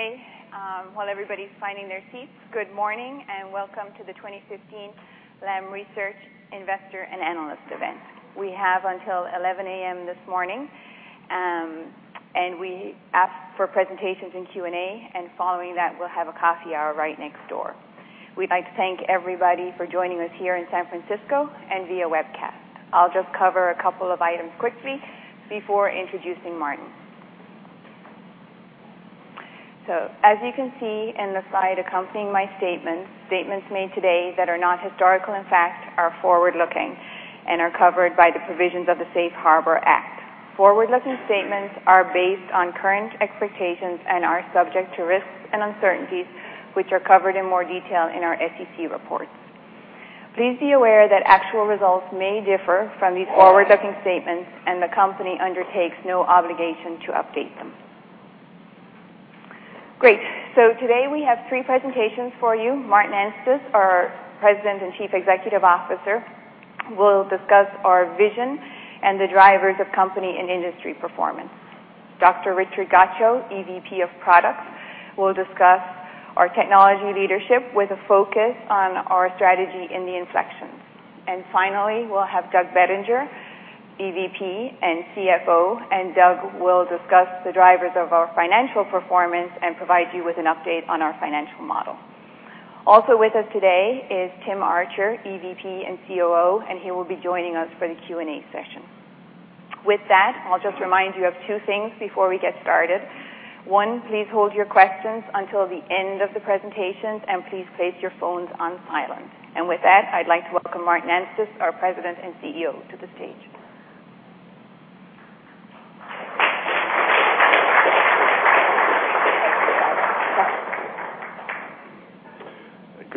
Okay. While everybody's finding their seats, good morning and welcome to the 2015 Lam Research Investor and Analyst Event. We have until 11:00 A.M. this morning, we ask for presentations in Q&A, and following that, we'll have a coffee hour right next door. We'd like to thank everybody for joining us here in San Francisco and via webcast. I'll just cover a couple of items quickly before introducing Martin. As you can see in the slide accompanying my statements made today that are not historical in fact are forward-looking and are covered by the provisions of the Safe Harbor Act. Forward-looking statements are based on current expectations and are subject to risks and uncertainties, which are covered in more detail in our SEC reports. Please be aware that actual results may differ from these forward-looking statements, and the company undertakes no obligation to update them. Great. Today, we have three presentations for you. Martin Anstice, our President and Chief Executive Officer, will discuss our vision and the drivers of company and industry performance. Dr. Richard Gottscho, EVP of Products, will discuss our technology leadership with a focus on our strategy in the inflections. Finally, we'll have Doug Bettinger, EVP and CFO, Doug will discuss the drivers of our financial performance and provide you with an update on our financial model. Also with us today is Tim Archer, EVP and COO, and he will be joining us for the Q&A session. With that, I'll just remind you of two things before we get started. One, please hold your questions until the end of the presentations, and please place your phones on silent. With that, I'd like to welcome Martin Anstice, our President and CEO, to the stage.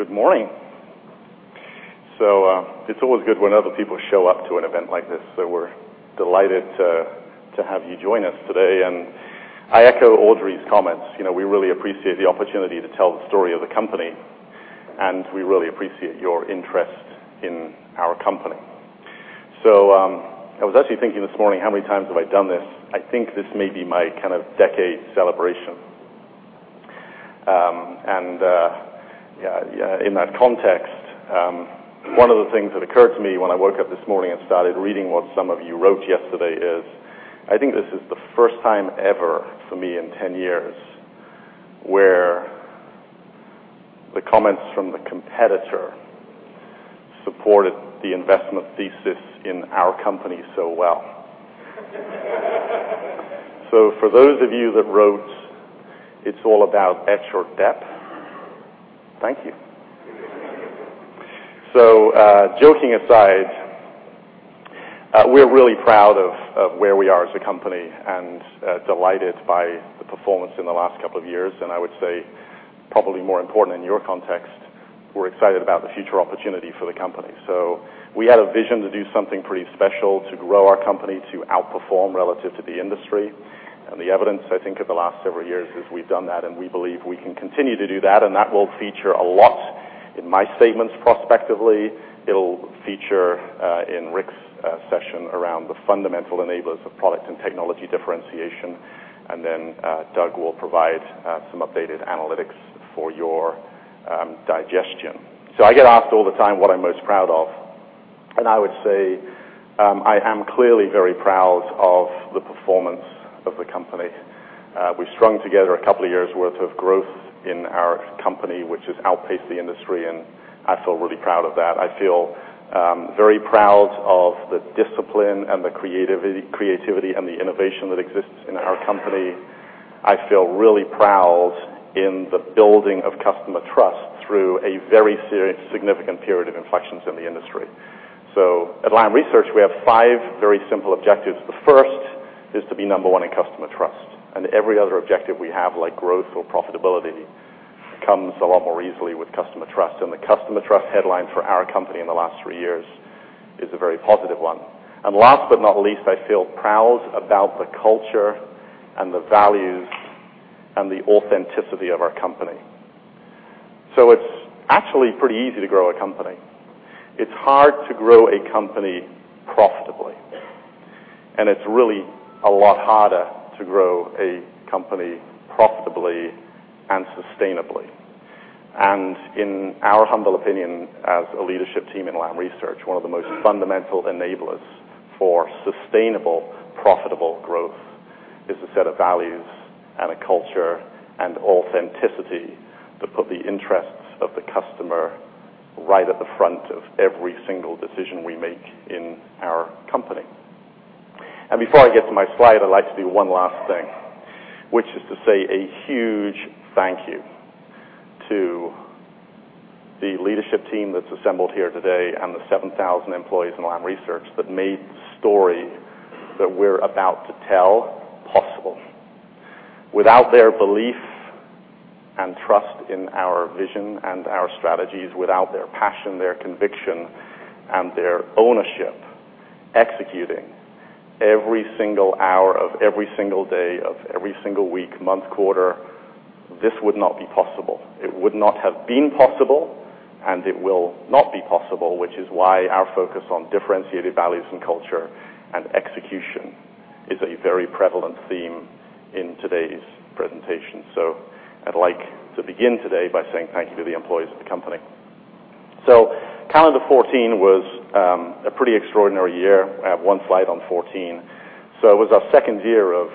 Good morning. It's always good when other people show up to an event like this, we're delighted to have you join us today, and I echo Audrey's comments. We really appreciate the opportunity to tell the story of the company, and we really appreciate your interest in our company. I was actually thinking this morning, how many times have I done this? I think this may be my kind of decade celebration. In that context, one of the things that occurred to me when I woke up this morning and started reading what some of you wrote yesterday is I think this is the first time ever for me in 10 years where the comments from the competitor supported the investment thesis in our company so well. For those of you that wrote, "It's all about etch or dep," thank you. Joking aside, we're really proud of where we are as a company and delighted by the performance in the last couple of years, and I would say probably more important in your context, we're excited about the future opportunity for the company. We had a vision to do something pretty special to grow our company, to outperform relative to the industry. The evidence, I think, of the last several years is we've done that, and we believe we can continue to do that, and that will feature a lot in my statements prospectively. It'll feature in Rick's session around the fundamental enablers of product and technology differentiation, and then Doug will provide some updated analytics for your digestion. I get asked all the time what I'm most proud of, and I would say I am clearly very proud of the performance of the company. We've strung together a couple of years' worth of growth in our company, which has outpaced the industry, and I feel really proud of that. I feel very proud of the discipline and the creativity and the innovation that exists in our company. I feel really proud in the building of customer trust through a very significant period of inflections in the industry. At Lam Research, we have five very simple objectives. The first is to be number one in customer trust. Every other objective we have, like growth or profitability, comes a lot more easily with customer trust. The customer trust headline for our company in the last three years is a very positive one. Last but not least, I feel proud about the culture and the values and the authenticity of our company. It's actually pretty easy to grow a company. It's hard to grow a company profitably, and it's really a lot harder to grow a company profitably and sustainably. In our humble opinion as a leadership team in Lam Research, one of the most fundamental enablers for sustainable, profitable growth is a set of values and a culture and authenticity to put the interests of the customer right at the front of every single decision we make in our company. Before I get to my slide, I'd like to do one last thing, which is to say a huge thank you to the leadership team that's assembled here today and the 7,000 employees in Lam Research that made the story that we're about to tell possible. Without their belief and trust in our vision and our strategies, without their passion, their conviction, and their ownership, executing every single hour of every single day of every single week, month, quarter, this would not be possible. It would not have been possible. It will not be possible, which is why our focus on differentiated values and culture and execution is a very prevalent theme in today's presentation. I'd like to begin today by saying thank you to the employees of the company. Calendar 2014 was a pretty extraordinary year. I have one slide on 2014. It was our second year of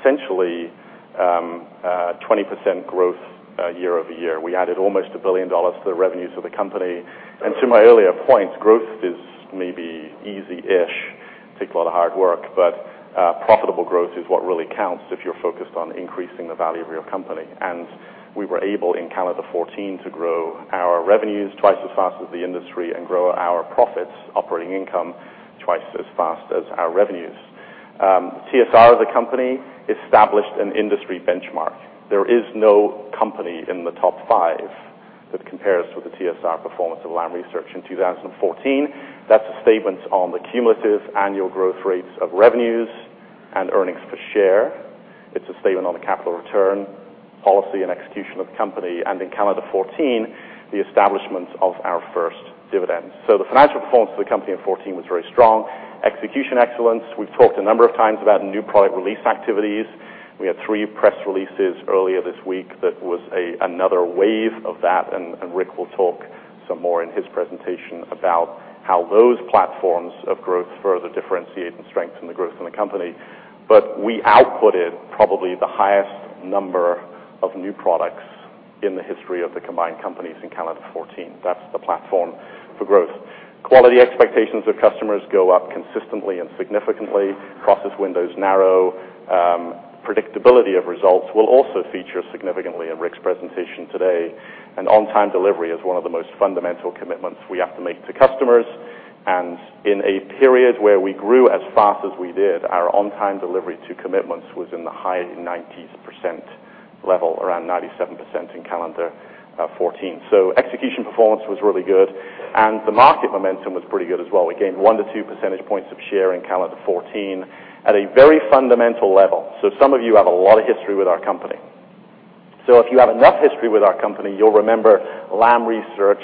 essentially 20% growth year-over-year. We added almost $1 billion to the revenues of the company. To my earlier point, growth is maybe easy-ish, takes a lot of hard work, but profitable growth is what really counts if you're focused on increasing the value of your company. We were able, in calendar 2014, to grow our revenues twice as fast as the industry and grow our profits, operating income, twice as fast as our revenues. TSR as a company established an industry benchmark. There is no company in the top five that compares to the TSR performance of Lam Research in 2014. That's a statement on the cumulative annual growth rates of revenues and earnings per share. It's a statement on the capital return policy and execution of the company, and in calendar 2014, the establishment of our first dividend. The financial performance of the company in 2014 was very strong. Execution excellence, we've talked a number of times about new product release activities. We had three press releases earlier this week that was another wave of that, Rick will talk some more in his presentation about how those platforms of growth further differentiate and strengthen the growth in the company. We outputted probably the highest number of new products in the history of the combined companies in calendar 2014. That's the platform for growth. Quality expectations of customers go up consistently and significantly. Process windows narrow. Predictability of results will also feature significantly in Rick's presentation today, on-time delivery is one of the most fundamental commitments we have to make to customers. In a period where we grew as fast as we did, our on-time delivery to commitments was in the high 90% level, around 97% in calendar 2014. Execution performance was really good, the market momentum was pretty good as well. We gained one to two percentage points of share in calendar 2014 at a very fundamental level. Some of you have a lot of history with our company. If you have enough history with our company, you'll remember Lam Research,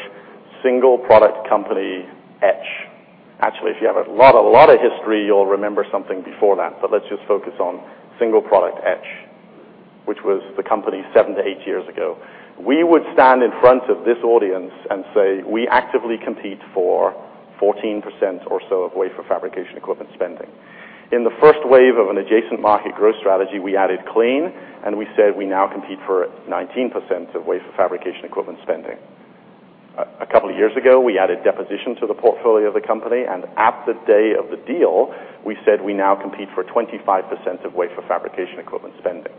single product company, etch. If you have a lot of history, you'll remember something before that, let's just focus on single product etch, which was the company seven to eight years ago. We would stand in front of this audience and say we actively compete for 14% or so of wafer fabrication equipment spending. In the first wave of an adjacent market growth strategy, we added clean, we said we now compete for 19% of wafer fabrication equipment spending. A couple of years ago, we added deposition to the portfolio of the company, at the day of the deal, we said we now compete for 25% of wafer fabrication equipment spending.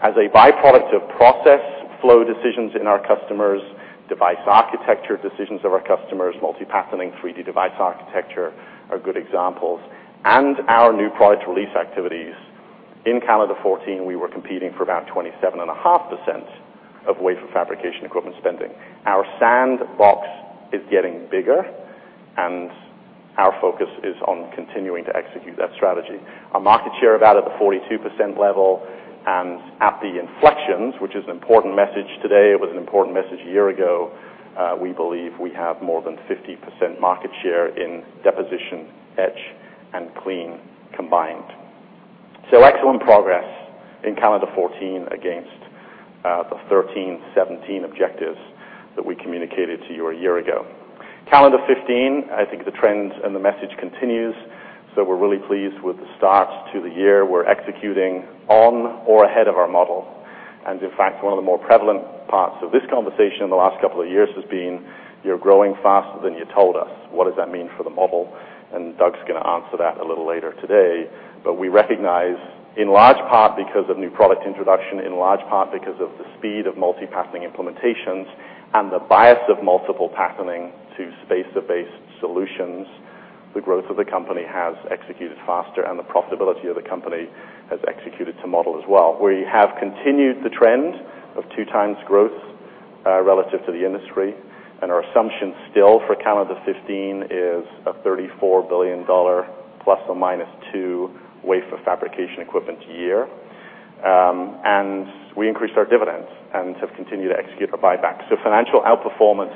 A byproduct of process flow decisions in our customers, device architecture decisions of our customers, multi-patterning 3D device architecture are good examples, our new product release activities. In calendar 2014, we were competing for about 27.5% of wafer fabrication equipment spending. Our sandbox is getting bigger, our focus is on continuing to execute that strategy. Our market share about at the 42% level and at the inflections, which is an important message today, it was an important message a year ago, we believe we have more than 50% market share in deposition, etch, and clean combined. Excellent progress in calendar 2014 against the 2013-2017 objectives that we communicated to you a year ago. Calendar 2015, I think the trend and the message continues, we're really pleased with the start to the year. We're executing on or ahead of our model, in fact, one of the more prevalent parts of this conversation in the last couple of years has been, "You're growing faster than you told us. What does that mean for the model?" Doug's going to answer that a little later today. We recognize, in large part because of new product introduction, in large part because of the speed of multi-patterning implementations and the bias of multi-patterning to spacer-based solutions, the growth of the company has executed faster and the profitability of the company has executed to model as well. We have continued the trend of 2 times growth relative to the industry, our assumption still for calendar 2015 is a $34 billion ±2 wafer fabrication equipment year. We increased our dividends and have continued to execute our buyback. Financial outperformance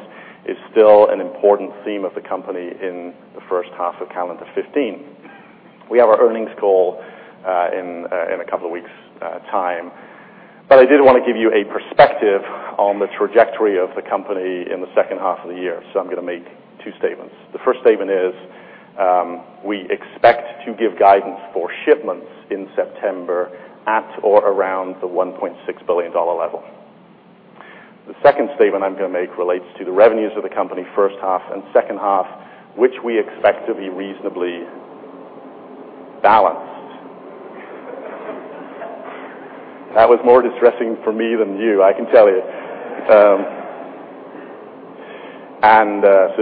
is still an important theme of the company in the first half of calendar 2015. We have our earnings call in a couple of weeks' time, I did want to give you a perspective on the trajectory of the company in the second half of the year, I'm going to make 2 statements. The first statement is, we expect to give guidance for shipments in September at or around the $1.6 billion level. The second statement I'm going to make relates to the revenues of the company first half and second half, which we expect to be reasonably balanced. That was more distressing for me than you, I can tell you.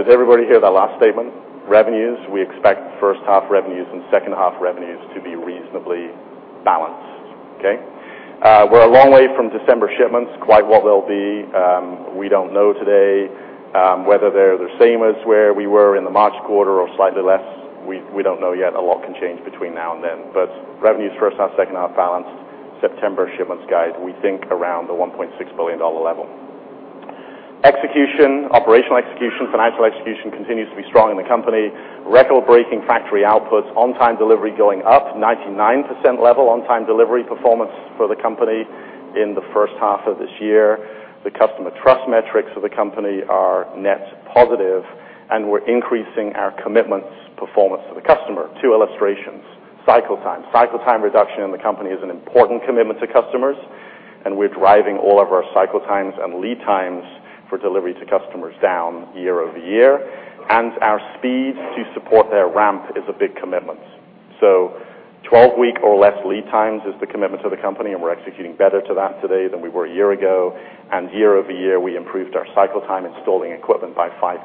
Did everybody hear that last statement? Revenues, we expect first half revenues and second half revenues to be reasonably balanced. Okay. We're a long way from December shipments, quite what they'll be, we don't know today. Whether they're the same as where we were in the March quarter or slightly less, we don't know yet. A lot can change between now and then. Revenues first half, second half balanced September shipments guide, we think around the $1.6 billion level. Execution, operational execution, financial execution continues to be strong in the company. Record-breaking factory outputs, on-time delivery going up, 99% level on-time delivery performance for the company in the first half of this year. The customer trust metrics of the company are net positive, and we're increasing our commitments performance to the customer. 2 illustrations. Cycle time reduction in the company is an important commitment to customers, we're driving all of our cycle times and lead times for delivery to customers down year-over-year. Our speed to support their ramp is a big commitment. 12-week or less lead times is the commitment to the company, we're executing better to that today than we were a year ago. Year-over-year, we improved our cycle time installing equipment by 5%,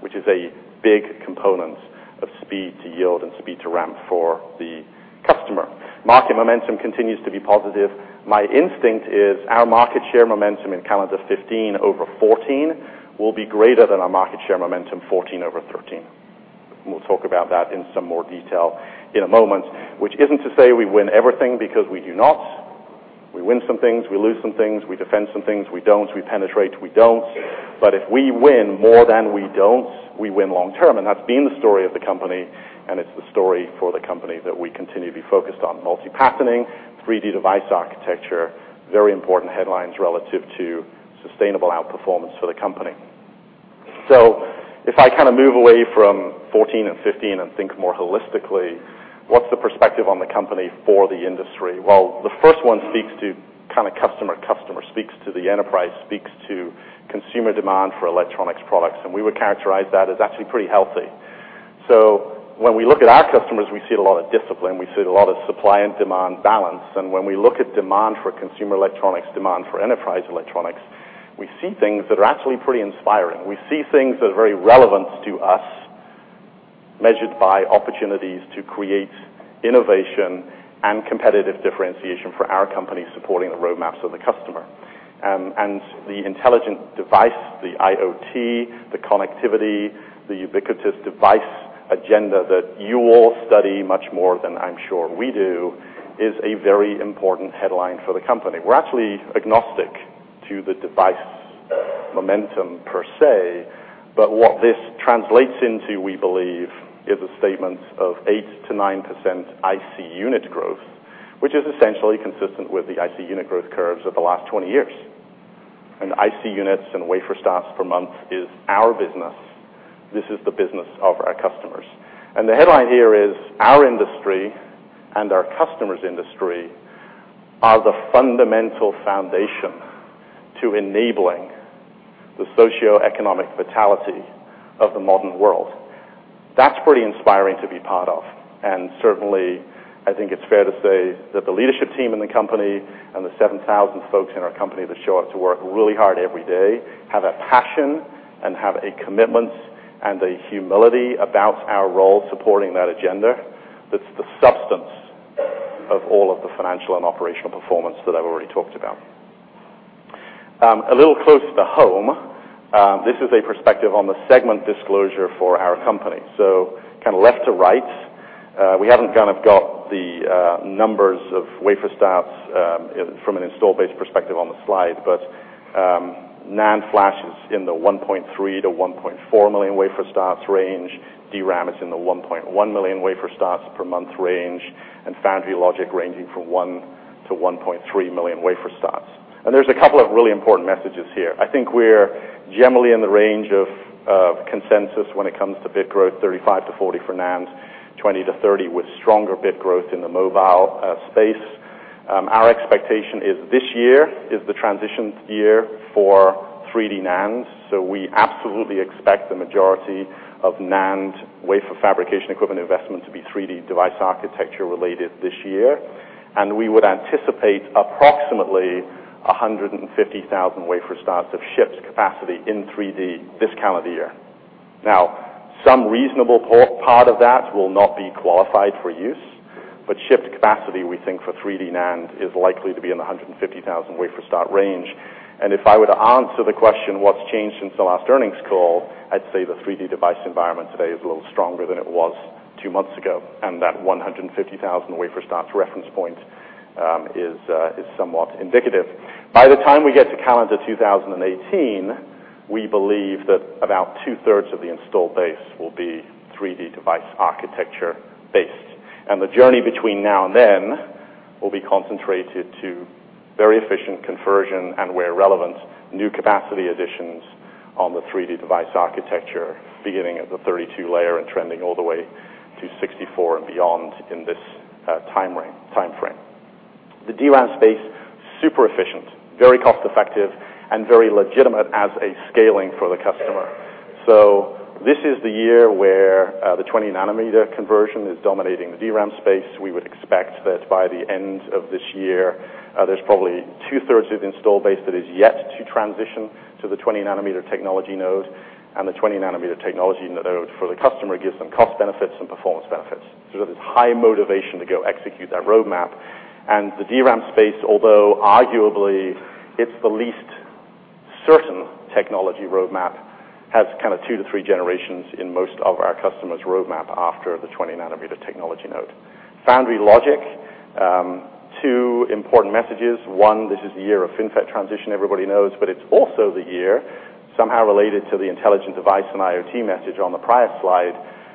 which is a big component of speed to yield and speed to ramp for the customer. Market momentum continues to be positive. My instinct is our market share momentum in calendar 2015 over 2014 will be greater than our market share momentum 2014 over 2013. We'll talk about that in some more detail in a moment, which isn't to say we win everything because we do not. We win some things, we lose some things, we defend some things, we don't, we penetrate, we don't. If we win more than we don't, we win long term, that's been the story of the company, it's the story for the company that we continue to be focused on. Multi-patterning, 3D device architecture, very important headlines relative to sustainable outperformance for the company. If I kind of move away from 2014 and 2015 and think more holistically, what's the perspective on the company for the industry? The first one speaks to kind of customer speaks to the enterprise, speaks to consumer demand for electronics products, and we would characterize that as actually pretty healthy. When we look at our customers, we see a lot of discipline, we see a lot of supply and demand balance, and when we look at demand for consumer electronics, demand for enterprise electronics, we see things that are actually pretty inspiring. We see things that are very relevant to us, measured by opportunities to create innovation and competitive differentiation for our company, supporting the roadmaps of the customer. The intelligent device, the IoT, the connectivity, the ubiquitous device agenda that you all study much more than I'm sure we do, is a very important headline for the company. We're actually agnostic to the device momentum per se, but what this translates into, we believe, is a statement of 8% to 9% IC unit growth, which is essentially consistent with the IC unit growth curves of the last 20 years. IC units and wafer starts per month is our business. This is the business of our customers. The headline here is our industry and our customer's industry are the fundamental foundation to enabling the socioeconomic vitality of the modern world. That's pretty inspiring to be part of, and certainly, I think it's fair to say that the leadership team in the company and the 7,000 folks in our company that show up to work really hard every day, have a passion and have a commitment and a humility about our role supporting that agenda. That's the substance of all of the financial and operational performance that I've already talked about. A little closer to home, this is a perspective on the segment disclosure for our company. Kind of left to right, we haven't got the numbers of wafer starts from an install base perspective on the slide, but NAND flash is in the 1.3 million-1.4 million wafer starts range, DRAM is in the 1.1 million wafer starts per month range, and foundry logic ranging from 1 million-1.3 million wafer starts. There's a couple of really important messages here. I think we're generally in the range of consensus when it comes to bit growth, 35%-40% for NAND, 20%-30% with stronger bit growth in the mobile space. Our expectation is this year is the transition year for 3D NAND, so we absolutely expect the majority of NAND wafer fabrication equipment investment to be 3D device architecture related this year. We would anticipate approximately 150,000 wafer starts of shipped capacity in 3D this calendar year. Some reasonable part of that will not be qualified for use, but shipped capacity, we think for 3D NAND, is likely to be in the 150,000 wafer start range. If I were to answer the question, what's changed since the last earnings call? I'd say the 3D device environment today is a little stronger than it was two months ago, and that 150,000 wafer starts reference point is somewhat indicative. By the time we get to calendar 2018, we believe that about two-thirds of the installed base will be 3D device architecture based. The journey between now and then will be concentrated to very efficient conversion and where relevant, new capacity additions on the 3D device architecture, beginning at the 32-layer and trending all the way to 64 and beyond in this timeframe. The DRAM space, super efficient, very cost-effective, and very legitimate as a scaling for the customer. This is the year where the 20 nanometer conversion is dominating the DRAM space. We would expect that by the end of this year, there's probably two-thirds of the install base that is yet to transition to the 20 nanometer technology node, and the 20 nanometer technology node for the customer gives them cost benefits and performance benefits. There's this high motivation to go execute that roadmap, and the DRAM space, although arguably it's the least Certain technology roadmap has kind of two to three generations in most of our customers' roadmap after the 20 nanometer technology node. Foundry logic, two important messages. One, this is the year of FinFET transition, everybody knows, but it's also the year somehow related to the intelligent device and IoT message on the prior slide,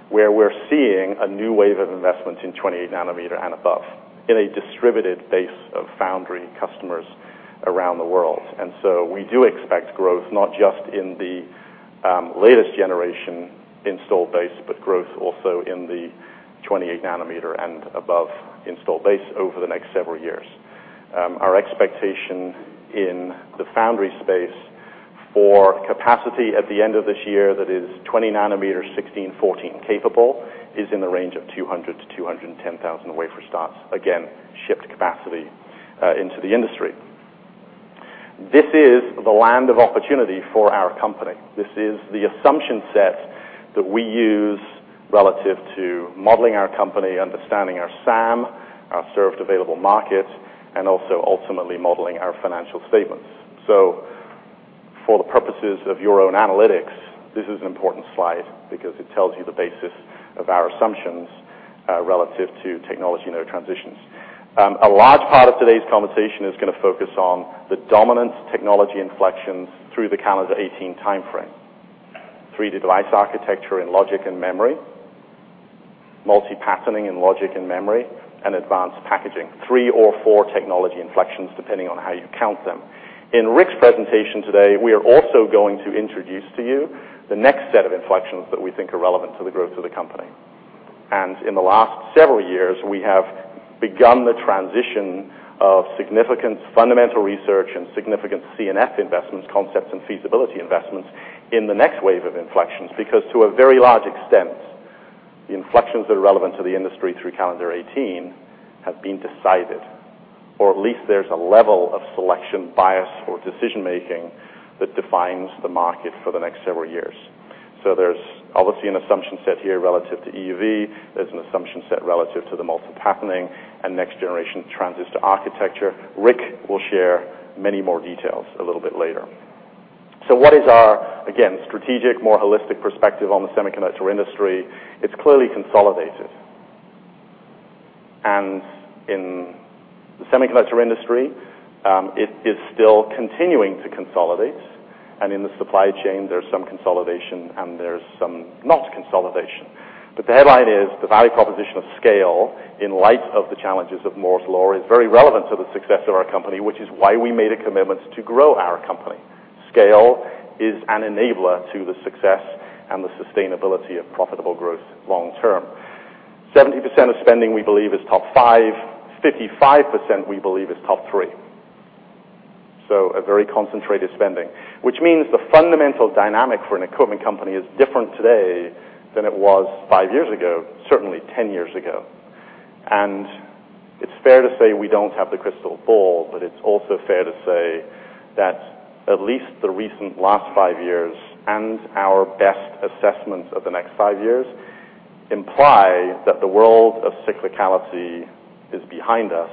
where we're seeing a new wave of investments in 28 nanometer and above in a distributed base of foundry customers around the world. We do expect growth not just in the latest generation installed base, but growth also in the 28 nanometer and above installed base over the next several years. Our expectation in the foundry space for capacity at the end of this year, that is 20 nanometers, 16, 14 capable, is in the range of 200,000 to 210,000 wafer starts, again, shipped capacity into the industry. This is the land of opportunity for our company. This is the assumption set that we use relative to modeling our company, understanding our SAM, our served available market, and also ultimately modeling our financial statements. For the purposes of your own analytics, this is an important slide because it tells you the basis of our assumptions relative to technology node transitions. A large part of today's conversation is going to focus on the dominant technology inflections through the calendar 2018 timeframe, 3D device architecture in logic and memory, multi-patterning in logic and memory, and advanced packaging, three or four technology inflections, depending on how you count them. In Rick's presentation today, we are also going to introduce to you the next set of inflections that we think are relevant to the growth of the company. In the last several years, we have begun the transition of significant fundamental research and significant C&F investments, concepts and feasibility investments, in the next wave of inflections, because to a very large extent, the inflections that are relevant to the industry through calendar 2018 have been decided, or at least there's a level of selection bias or decision-making that defines the market for the next several years. There's obviously an assumption set here relative to EUV, there's an assumption set relative to the multi-patterning and next generation transistor architecture. Rick will share many more details a little bit later. What is our, again, strategic, more holistic perspective on the semiconductor industry? It's clearly consolidated. In the semiconductor industry, it is still continuing to consolidate, and in the supply chain, there's some consolidation and there's some not consolidation. The headline is the value proposition of scale in light of the challenges of Moore's Law is very relevant to the success of our company, which is why we made a commitment to grow our company. Scale is an enabler to the success and the sustainability of profitable growth long term. 70% of spending, we believe is top five, 55% we believe is top three, so a very concentrated spending, which means the fundamental dynamic for an equipment company is different today than it was five years ago, certainly 10 years ago. It's fair to say we don't have the crystal ball, but it's also fair to say that at least the recent last five years and our best assessment of the next five years imply that the world of cyclicality is behind us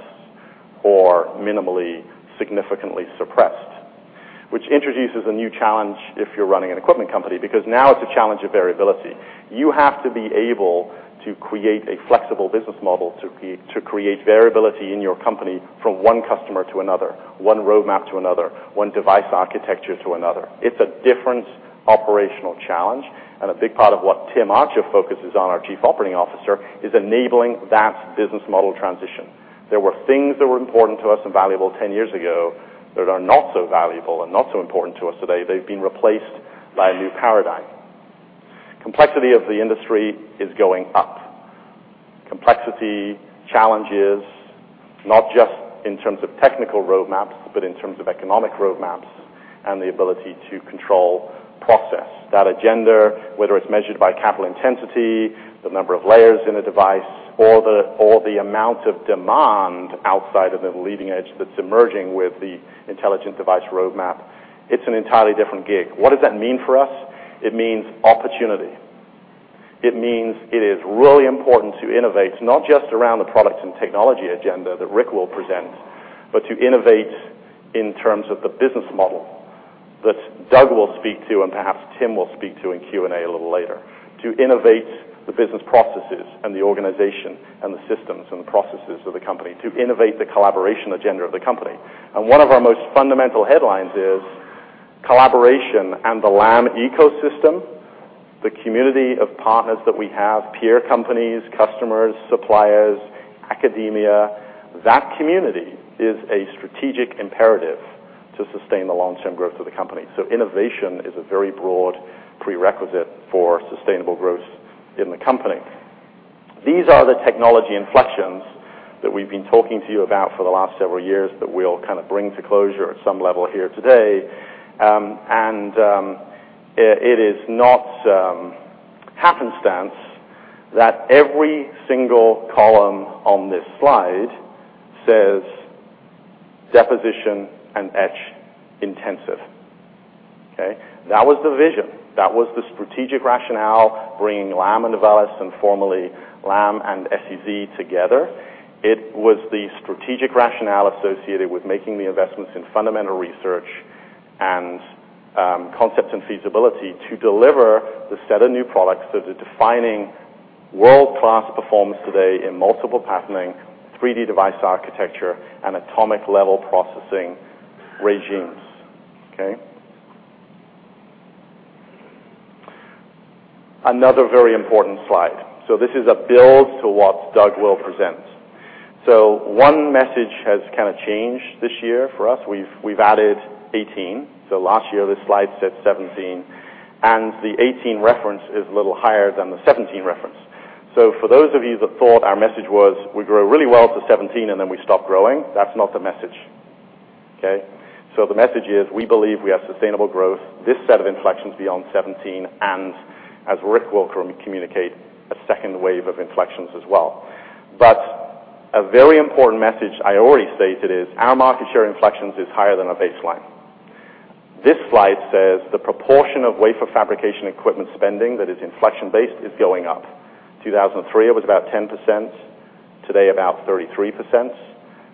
or minimally significantly suppressed, which introduces a new challenge if you're running an equipment company, because now it's a challenge of variability. You have to be able to create a flexible business model to create variability in your company from one customer to another, one roadmap to another, one device architecture to another. It's a different operational challenge, and a big part of what Tim Archer focuses on, our Chief Operating Officer, is enabling that business model transition. There were things that were important to us and valuable 10 years ago that are not so valuable and not so important to us today. They've been replaced by a new paradigm. Complexity of the industry is going up. Complexity, challenges, not just in terms of technical roadmaps, but in terms of economic roadmaps and the ability to control process. That agenda, whether it's measured by capital intensity, the number of layers in a device, or the amount of demand outside of the leading edge that's emerging with the intelligent device roadmap, it's an entirely different gig. What does that mean for us? It means opportunity. It means it is really important to innovate, not just around the products and technology agenda that Rick will present, but to innovate in terms of the business model that Doug will speak to and perhaps Tim will speak to in Q&A a little later, to innovate the business processes and the organization and the systems and the processes of the company, to innovate the collaboration agenda of the company. One of our most fundamental headlines is collaboration and the Lam ecosystem, the community of partners that we have, peer companies, customers, suppliers, academia, that community is a strategic imperative to sustain the long-term growth of the company. Innovation is a very broad prerequisite for sustainable growth in the company. These are the technology inflections that we've been talking to you about for the last several years that we'll kind of bring to closure at some level here today, and it is not happenstance that every single column on this slide says deposition and etch intensive. Okay? That was the vision. That was the strategic rationale, bringing Lam and Novellus, and formally Lam and SEZ together. It was the strategic rationale associated with making the investments in fundamental research and concept and feasibility to deliver the set of new products that are defining world-class performance today in multiple patterning, 3D device architecture, and atomic level processing regimes. Okay? Another very important slide. This is a build to what Doug will present. One message has kind of changed this year for us. We've added 2018. Last year, this slide said 2017, and the 2018 reference is a little higher than the 2017 reference. For those of you that thought our message was we grow really well to 2017 and then we stop growing, that's not the message, okay? The message is, we believe we have sustainable growth, this set of inflections beyond 2017, and as Rick will communicate, a second wave of inflections as well. A very important message I already stated is our market share inflections is higher than our baseline. This slide says the proportion of wafer fabrication equipment spending that is inflection-based is going up. 2003, it was about 10%, today about 33%,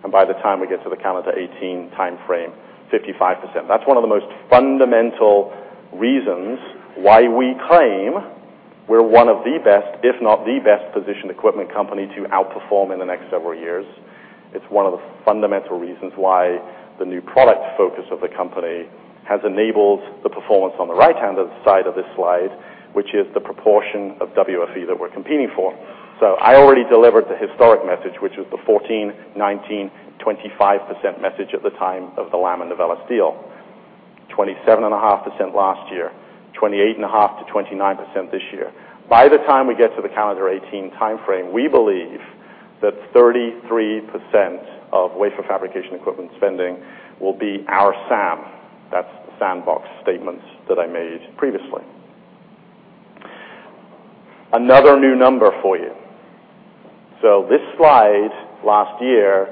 and by the time we get to the calendar 2018 timeframe, 55%. That's one of the most fundamental reasons why we claim we're one of the best, if not the best positioned equipment company to outperform in the next several years. It's one of the fundamental reasons why the new product focus of the company has enabled the performance on the right-hand side of this slide, which is the proportion of WFE that we're competing for. I already delivered the historic message, which was the 14%, 19%, 25% message at the time of the Lam and Novellus deal, 27.5% last year, 28.5%-29% this year. By the time we get to the calendar 2018 timeframe, we believe that 33% of wafer fabrication equipment spending will be our SAM. That's the sandbox statements that I made previously. Another new number for you. This slide last year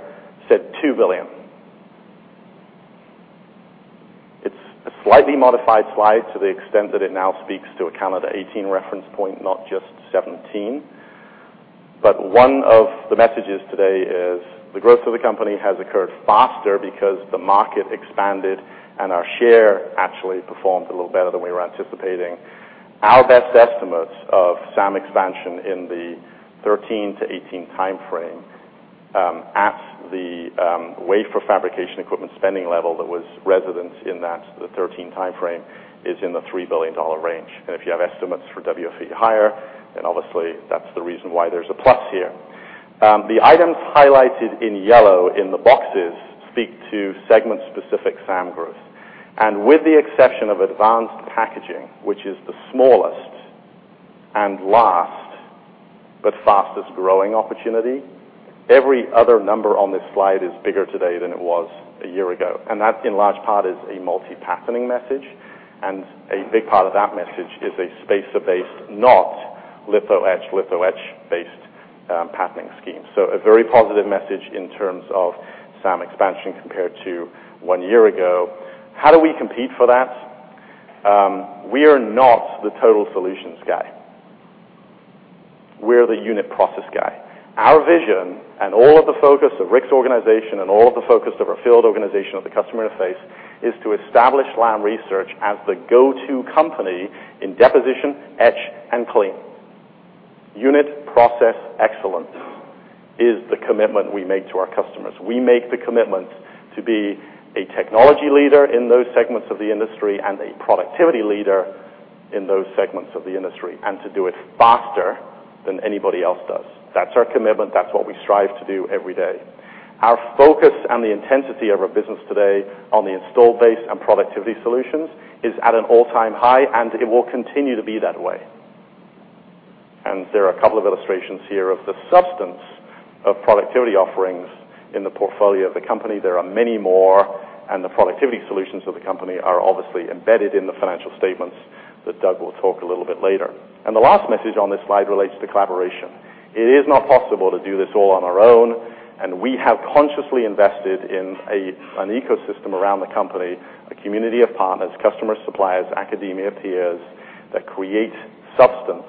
said $2 billion. It's a slightly modified slide to the extent that it now speaks to a calendar 2018 reference point, not just 2017. One of the messages today is the growth of the company has occurred faster because the market expanded and our share actually performed a little better than we were anticipating. Our best estimates of SAM expansion in the 2013-2018 timeframe, at the wafer fabrication equipment spending level that was resident in the 2013 timeframe, is in the $3 billion range. If you have estimates for WFE higher, then obviously that's the reason why there's a plus here. The items highlighted in yellow in the boxes speak to segment-specific SAM growth. With the exception of advanced packaging, which is the smallest and last but fastest-growing opportunity, every other number on this slide is bigger today than it was a year ago. That, in large part, is a multi-patterning message, and a big part of that message is a spacer-based, not litho etch, litho etch-based patterning scheme. A very positive message in terms of SAM expansion compared to one year ago. How do we compete for that? We are not the total solutions guy. We're the unit process guy. Our vision and all of the focus of Rick's organization and all of the focus of our field organization at the customer interface is to establish Lam Research as the go-to company in deposition, etch, and clean. Unit process excellence is the commitment we make to our customers. We make the commitment to be a technology leader in those segments of the industry and a productivity leader in those segments of the industry, and to do it faster than anybody else does. That's our commitment. That's what we strive to do every day. Our focus and the intensity of our business today on the install base and productivity solutions is at an all-time high, and it will continue to be that way. There are a couple of illustrations here of the substance of productivity offerings in the portfolio of the company. There are many more, and the productivity solutions of the company are obviously embedded in the financial statements that Doug will talk a little bit later. The last message on this slide relates to collaboration. It is not possible to do this all on our own, and we have consciously invested in an ecosystem around the company, a community of partners, customers, suppliers, academia, peers, that create substance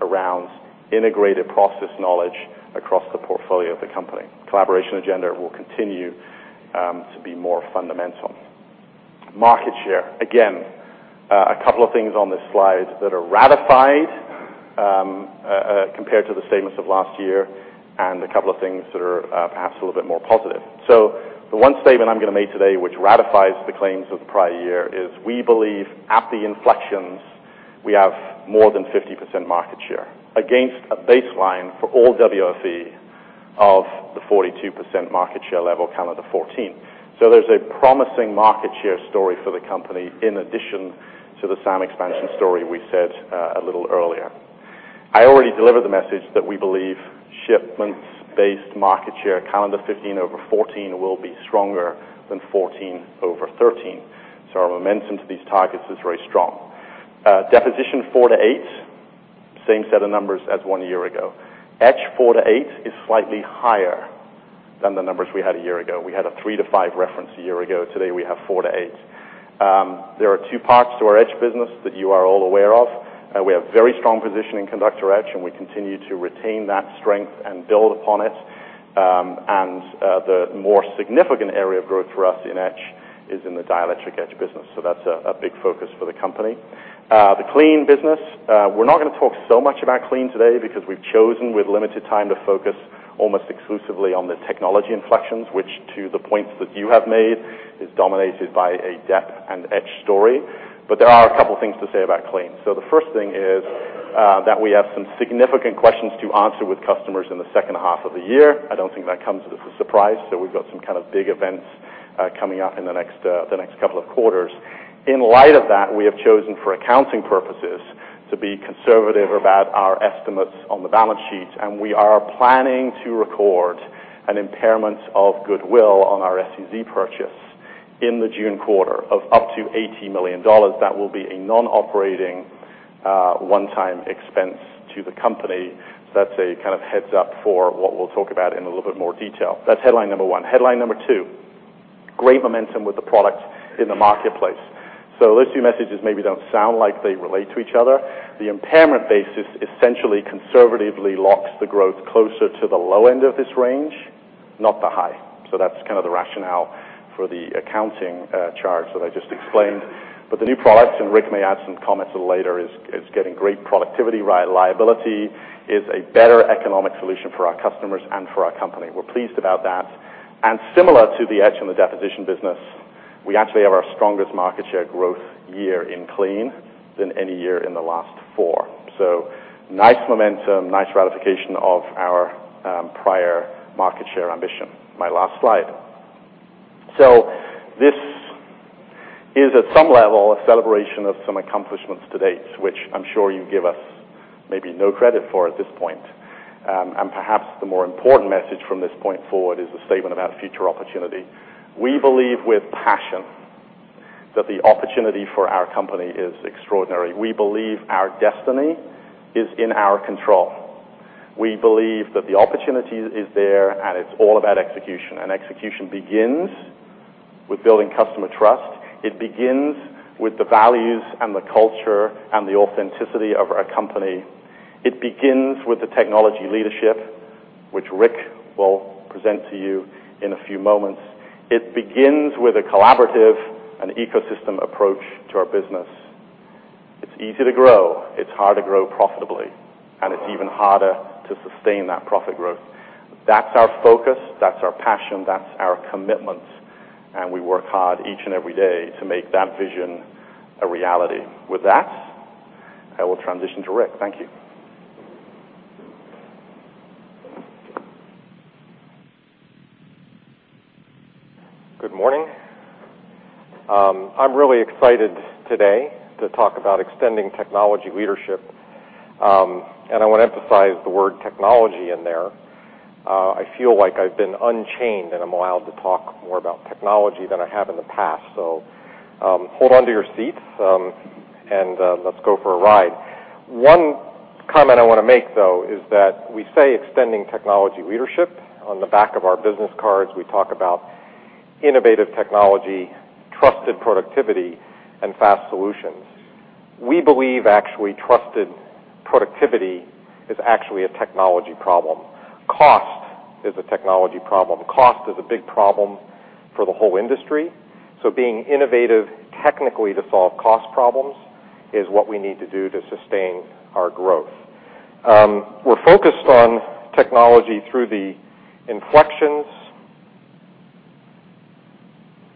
around integrated process knowledge across the portfolio of the company. Collaboration agenda will continue to be more fundamental. Market share. Again, a couple of things on this slide that are ratified, compared to the statements of last year, and a couple of things that are perhaps a little bit more positive. The one statement I'm going to make today which ratifies the claims of the prior year is we believe at the inflections, we have more than 50% market share against a baseline for all WFE of the 42% market share level calendar 2014. There's a promising market share story for the company in addition to the SAM expansion story we said a little earlier. I already delivered the message that we believe shipments-based market share calendar 2015 over 2014 will be stronger than 2014 over 2013. Our momentum to these targets is very strong. Deposition four to eight Same set of numbers as one year ago. Etch four to eight is slightly higher than the numbers we had a year ago. We had a three to five reference a year ago. Today, we have four to eight. There are two parts to our etch business that you are all aware of. We have very strong position in conductor etch and we continue to retain that strength and build upon it. The more significant area of growth for us in etch is in the dielectric etch business. That's a big focus for the company. The clean business, we're not going to talk so much about clean today because we've chosen, with limited time, to focus almost exclusively on the technology inflections, which to the points that you have made, is dominated by a dep and etch story. There are a couple things to say about clean. The first thing is that we have some significant questions to answer with customers in the second half of the year. I don't think that comes as a surprise. We've got some kind of big events coming up in the next couple of quarters. In light of that, we have chosen for accounting purposes to be conservative about our estimates on the balance sheet, and we are planning to record an impairment of goodwill on our SEZ purchase in the June quarter of up to $80 million. That will be a non-operating, one-time expense to the company. That's a kind of heads-up for what we'll talk about in a little bit more detail. That's headline number one. Headline number two, great momentum with the products in the marketplace. Those two messages maybe don't sound like they relate to each other. The impairment basis essentially conservatively locks the growth closer to the low end of this range, not the high. That's kind of the rationale for the accounting charge that I just explained. The new products, and Rick may add some comments a little later, is getting great productivity, reliability. Is a better economic solution for our customers and for our company. We're pleased about that. Similar to the etch and the deposition business, we actually have our strongest market share growth year in clean than any year in the last four. Nice momentum, nice ratification of our prior market share ambition. My last slide. This is at some level a celebration of some accomplishments to date, which I'm sure you give us maybe no credit for at this point. Perhaps the more important message from this point forward is the statement about future opportunity. We believe with passion that the opportunity for our company is extraordinary. We believe our destiny is in our control. We believe that the opportunity is there and it's all about execution. Execution begins with building customer trust. It begins with the values and the culture and the authenticity of our company. It begins with the technology leadership, which Rick will present to you in a few moments. It begins with a collaborative and ecosystem approach to our business. It's easy to grow, it's hard to grow profitably, and it's even harder to sustain that profit growth. That's our focus, that's our passion, that's our commitment, and we work hard each and every day to make that vision a reality. With that, I will transition to Rick. Thank you. Good morning. I'm really excited today to talk about extending technology leadership, and I want to emphasize the word technology in there. I feel like I've been unchained, and I'm allowed to talk more about technology than I have in the past, so hold onto your seats, and let's go for a ride. One comment I want to make, though, is that we say extending technology leadership. On the back of our business cards, we talk about innovative technology, trusted productivity, and fast solutions. We believe actually trusted productivity is actually a technology problem. Cost is a technology problem. Cost is a big problem for the whole industry. Being innovative technically to solve cost problems is what we need to do to sustain our growth. We're focused on technology through the inflections.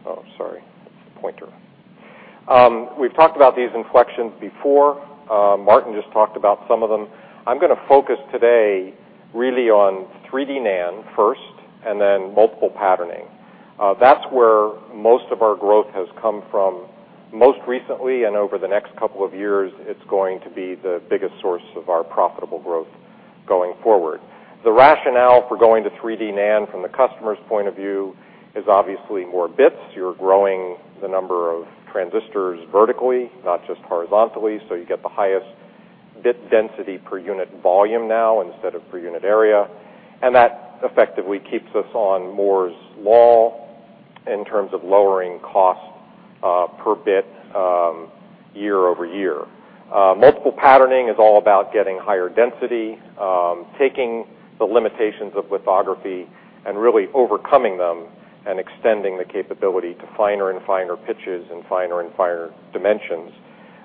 Oh, sorry. That's the pointer. We've talked about these inflections before. Martin just talked about some of them. I'm going to focus today really on 3D NAND first and then multiple patterning. That's where most of our growth has come from most recently, and over the next couple of years, it's going to be the biggest source of our profitable growth going forward. The rationale for going to 3D NAND from the customer's point of view is obviously more bits. You're growing the number of transistors vertically, not just horizontally, so you get the highest bit density per unit volume now instead of per unit area. That effectively keeps us on Moore's Law in terms of lowering cost per bit year-over-year. Multiple patterning is all about getting higher density, taking the limitations of lithography and really overcoming them and extending the capability to finer and finer pitches and finer and finer dimensions,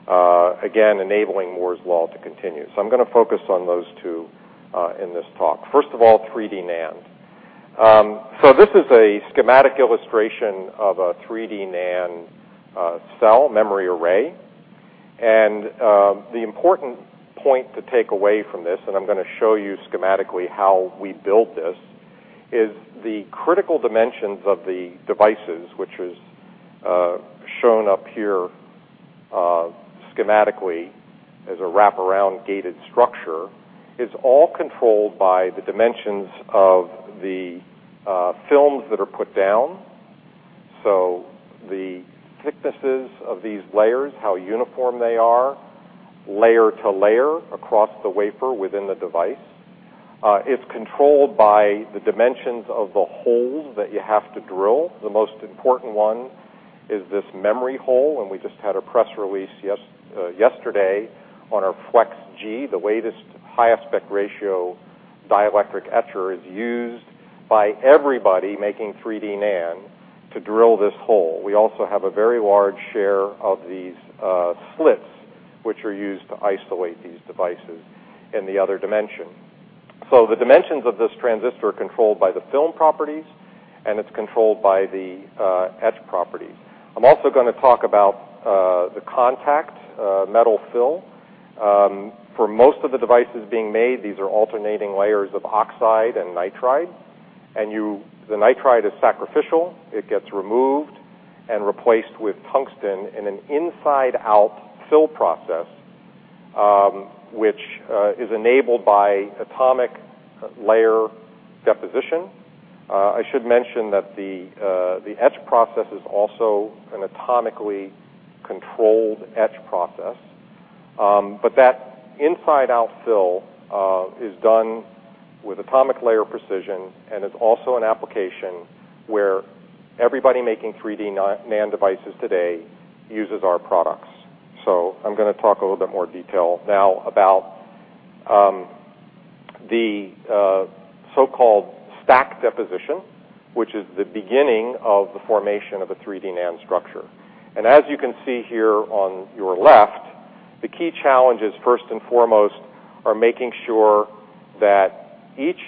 again, enabling Moore's Law to continue. I'm going to focus on those two in this talk. First of all, 3D NAND. This is a schematic illustration of a 3D NAND cell memory array. The important point to take away from this, and I'm going to show you schematically how we build this, is the critical dimensions of the devices, which is shown up here schematically as a wraparound gated structure, is all controlled by the dimensions of the films that are put down. The thicknesses of these layers, how uniform they are layer to layer across the wafer within the device, it's controlled by the dimensions of the holes that you have to drill. The most important one is this memory hole, and we just had a press release yesterday on our Flex G. The latest high aspect ratio dielectric etcher is used by everybody making 3D NAND to drill this hole. We also have a very large share of these slits, which are used to isolate these devices in the other dimension. The dimensions of this transistor are controlled by the film properties, and it's controlled by the etch properties. I'm also going to talk about the contact metal fill. For most of the devices being made, these are alternating layers of oxide and nitride. The nitride is sacrificial. It gets removed and replaced with tungsten in an inside-out fill process, which is enabled by atomic layer deposition. I should mention that the etch process is also an atomically controlled etch process. That inside-out fill is done with atomic layer precision and is also an application where everybody making 3D NAND devices today uses our products. I'm going to talk a little bit more detail now about the so-called stack deposition, which is the beginning of the formation of a 3D NAND structure. As you can see here on your left, the key challenges, first and foremost, are making sure that each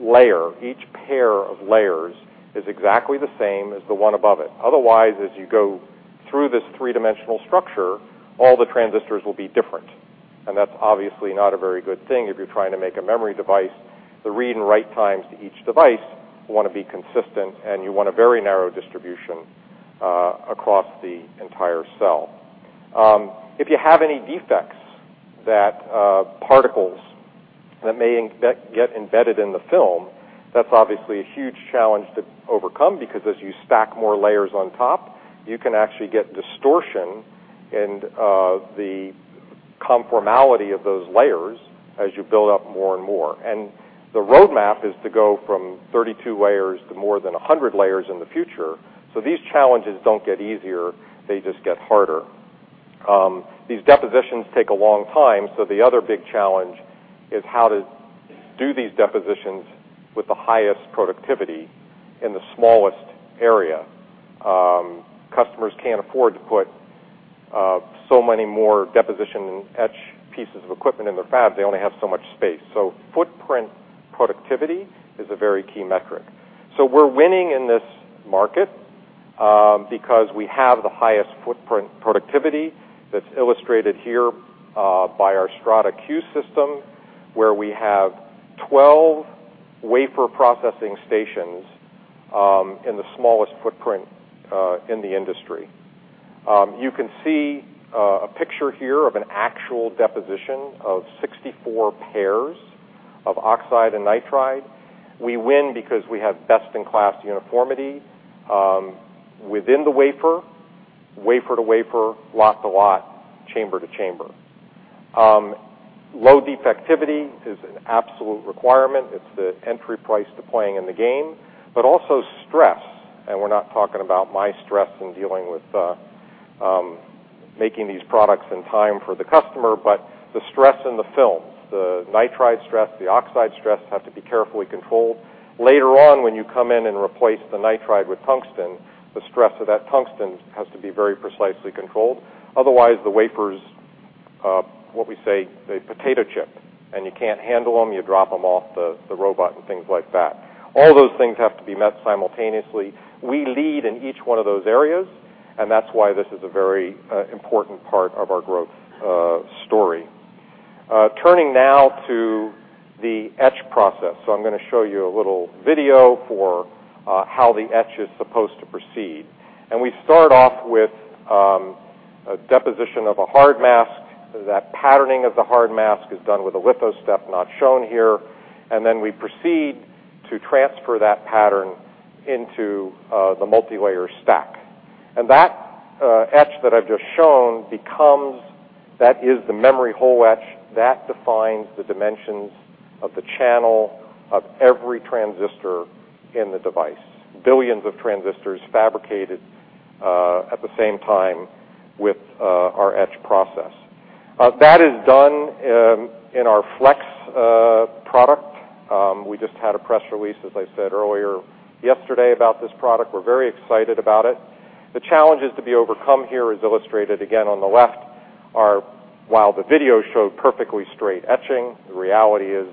layer, each pair of layers, is exactly the same as the one above it. Otherwise, as you go through this three-dimensional structure, all the transistors will be different, and that's obviously not a very good thing if you're trying to make a memory device. The read and write times to each device want to be consistent, and you want a very narrow distribution across the entire cell. If you have any defects, particles that may get embedded in the film, that's obviously a huge challenge to overcome, because as you stack more layers on top, you can actually get distortion in the conformality of those layers as you build up more and more. The roadmap is to go from 32 layers to more than 100 layers in the future. These challenges don't get easier, they just get harder. These depositions take a long time, the other big challenge is how to do these depositions with the highest productivity in the smallest area. Customers can't afford to put so many more deposition etch pieces of equipment in their fab. They only have so much space. Footprint productivity is a very key metric. We're winning in this market because we have the highest footprint productivity that's illustrated here by our Strata-Q system, where we have 12 wafer processing stations in the smallest footprint in the industry. You can see a picture here of an actual deposition of 64 pairs of oxide and nitride. We win because we have best-in-class uniformity within the wafer to wafer, lot to lot, chamber to chamber. Low defectivity is an absolute requirement. It's the entry price to playing in the game, but also stress. We're not talking about my stress in dealing with making these products in time for the customer, but the stress in the films. The nitride stress, the oxide stress, have to be carefully controlled. Later on, when you come in and replace the nitride with tungsten, the stress of that tungsten has to be very precisely controlled. Otherwise, the wafers, what we say, they potato chip, and you can't handle them. You drop them off the robot and things like that. All those things have to be met simultaneously. We lead in each one of those areas, that's why this is a very important part of our growth story. Turning now to the etch process. I'm going to show you a little video for how the etch is supposed to proceed. We start off with a deposition of a hard mask. That patterning of the hard mask is done with a litho step not shown here. Then we proceed to transfer that pattern into the multilayer stack. That etch that I've just shown, that is the memory hole etch. That defines the dimensions of the channel of every transistor in the device. Billions of transistors fabricated at the same time with our Flex etch process. That is done in our Flex product. We just had a press release, as I said earlier, yesterday about this product. We're very excited about it. The challenges to be overcome here is illustrated again on the left are, while the video showed perfectly straight etching, the reality is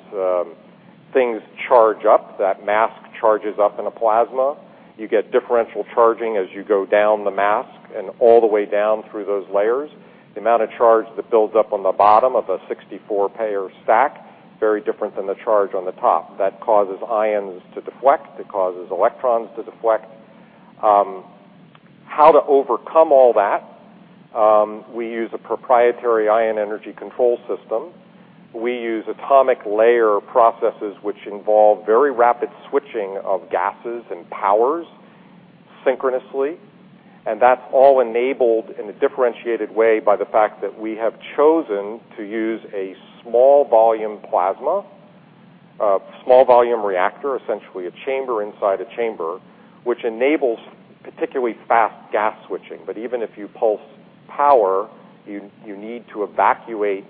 things charge up. That mask charges up in a plasma. You get differential charging as you go down the mask and all the way down through those layers. The amount of charge that builds up on the bottom of a 64-pair stack, very different than the charge on the top. That causes ions to deflect. It causes electrons to deflect. How to overcome all that. We use a proprietary ion energy control system. We use atomic layer processes, which involve very rapid switching of gases and powers synchronously. That's all enabled in a differentiated way by the fact that we have chosen to use a small volume plasma, a small volume reactor, essentially a chamber inside a chamber, which enables particularly fast gas switching. Even if you pulse power, you need to evacuate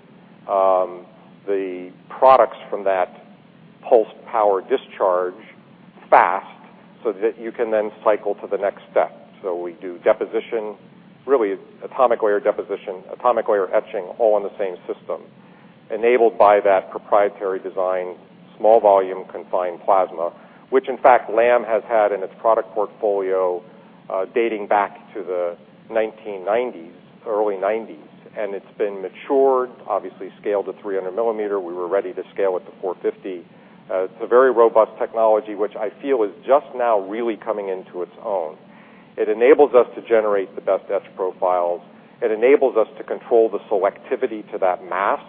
the products from that pulse power discharge fast, so that you can then cycle to the next step. We do deposition, really atomic layer deposition, atomic layer etching, all in the same system, enabled by that proprietary design, small volume confined plasma. Which in fact, Lam has had in its product portfolio dating back to the 1990s, early 90s, and it's been matured, obviously scaled to 300 millimeter. We were ready to scale it to 450. It's a very robust technology, which I feel is just now really coming into its own. It enables us to generate the best etch profiles. It enables us to control the selectivity to that mask.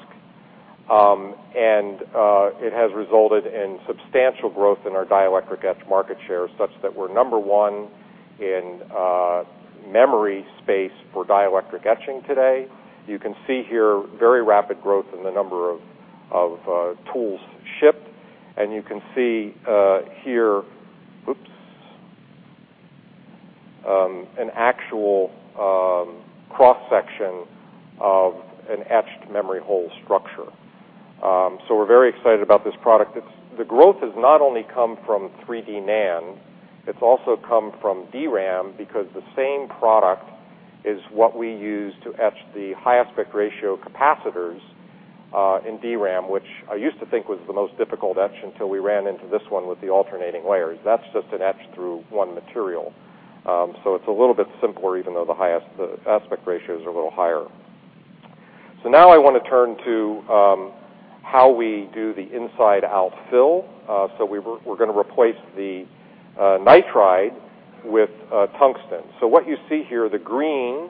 It has resulted in substantial growth in our dielectric etch market share, such that we're number 1 in memory space for dielectric etching today. You can see here very rapid growth in the number of tools shipped, and you can see here an actual cross-section of an etched memory hole structure. We're very excited about this product. The growth has not only come from 3D NAND, it's also come from DRAM because the same product is what we use to etch the high aspect ratio capacitors, in DRAM, which I used to think was the most difficult etch until we ran into this one with the alternating layers. That's just an etch through one material. It's a little bit simpler, even though the aspect ratios are a little higher. Now I want to turn to how we do the inside out fill. We're going to replace the nitride with tungsten. What you see here, the green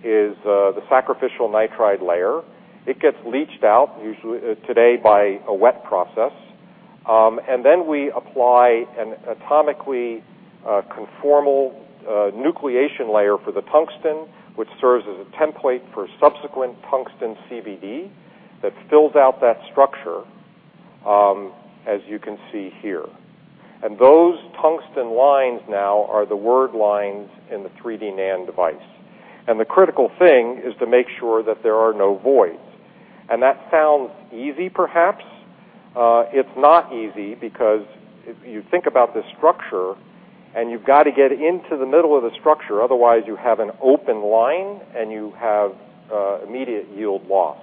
is the sacrificial nitride layer. It gets leached out, usually today by a wet process. Then we apply an atomically conformal nucleation layer for the tungsten, which serves as a template for subsequent tungsten CVD that fills out that structure, as you can see here. Those tungsten lines now are the word lines in the 3D NAND device. The critical thing is to make sure that there are no voids. That sounds easy, perhaps. It's not easy because if you think about the structure, and you've got to get into the middle of the structure, otherwise you have an open line and you have immediate yield loss.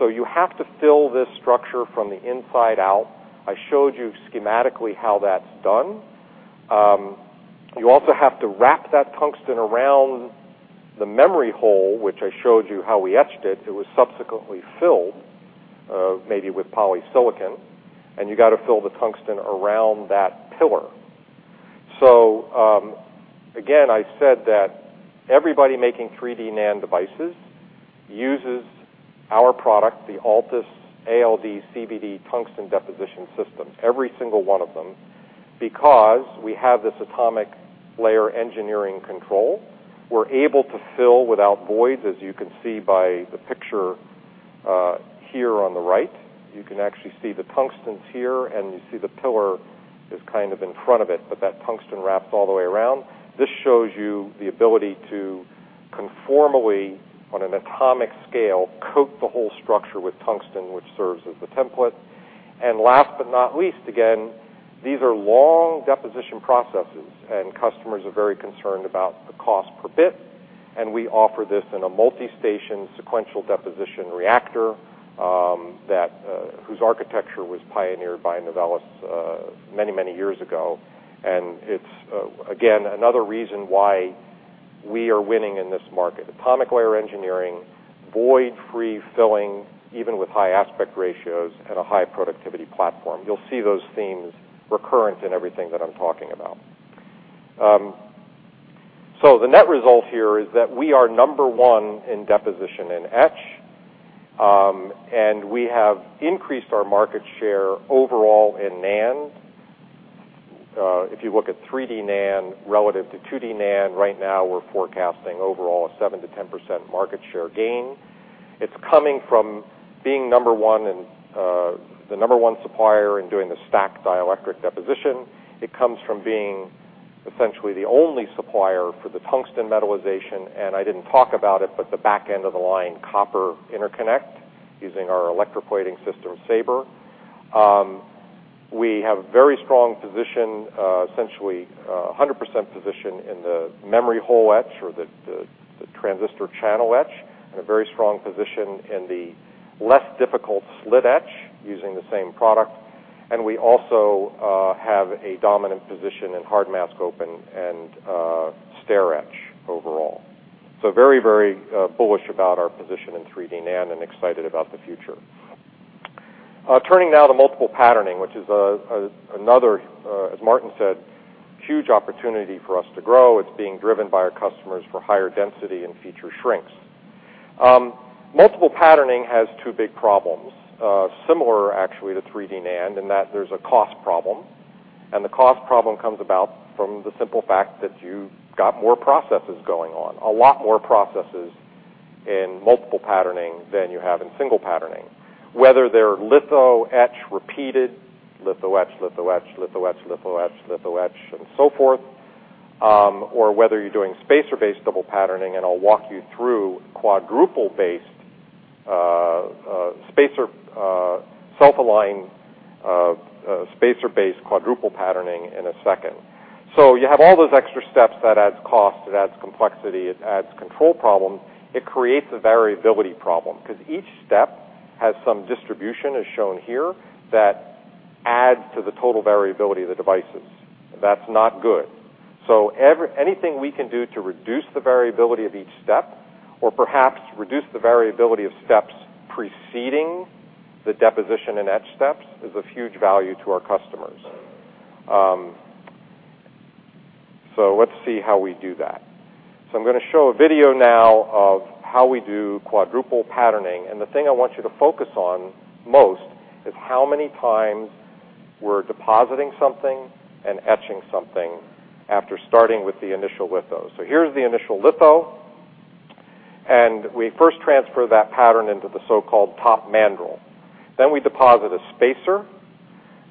You have to fill this structure from the inside out. I showed you schematically how that's done. You also have to wrap that tungsten around the memory hole, which I showed you how we etched it. It was subsequently filled, maybe with polysilicon, and you got to fill the tungsten around that pillar. Again, I said that everybody making 3D NAND devices uses our product, the ALTUS ALD CVD tungsten deposition systems, every single one of them, because we have this atomic layer engineering control. We're able to fill without voids, as you can see by the picture here on the right. You can actually see the tungsten's here, and you see the pillar is kind of in front of it, but that tungsten wraps all the way around. This shows you the ability to conformally, on an atomic scale, coat the whole structure with tungsten, which serves as the template. Last but not least, again, these are long deposition processes, and customers are very concerned about the cost per bit, and we offer this in a multi-station sequential deposition reactor, whose architecture was pioneered by Novellus many years ago. It's, again, another reason why we are winning in this market. atomic layer engineering, void-free filling, even with high aspect ratios and a high productivity platform. You'll see those themes recurrent in everything that I'm talking about. The net result here is that we are number one in deposition and etch, and we have increased our market share overall in NAND. If you look at 3D NAND relative to 2D NAND, right now, we're forecasting overall a 7%-10% market share gain. It's coming from being the number one supplier in doing the stacked dielectric deposition. It comes from being essentially the only supplier for the tungsten metallization, and I didn't talk about it, but the back end of the line copper interconnect using our electroplating system, SABRE. We have very strong position, essentially 100% position in the memory hole etch or the transistor channel etch, and a very strong position in the less difficult slit etch using the same product. We also have a dominant position in hard mask open and stair etch overall. Very bullish about our position in 3D NAND and excited about the future. Turning now to multi-patterning, which is another, as Martin said, huge opportunity for us to grow. It's being driven by our customers for higher density and feature shrinks. multi-patterning has two big problems, similar actually to 3D NAND in that there's a cost problem, and the cost problem comes about from the simple fact that you've got more processes going on, a lot more processes in multi-patterning than you have in single patterning. Whether they're litho, etch, repeated, litho etch, and so forth, or whether you're doing spacer-based double patterning, and I'll walk you through quadruple based, self-align spacer-based quadruple patterning in a second. You have all those extra steps that adds cost, it adds complexity, it adds control problems. It creates a variability problem, because each step has some distribution, as shown here, that adds to the total variability of the devices. That's not good. Anything we can do to reduce the variability of each step, or perhaps reduce the variability of steps preceding the deposition in etch steps, is of huge value to our customers. Let's see how we do that. I'm going to show a video now of how we do quadruple patterning, and the thing I want you to focus on most is how many times we're depositing something and etching something after starting with the initial litho. Here's the initial litho, and we first transfer that pattern into the so-called top mandrel. Then we deposit a spacer,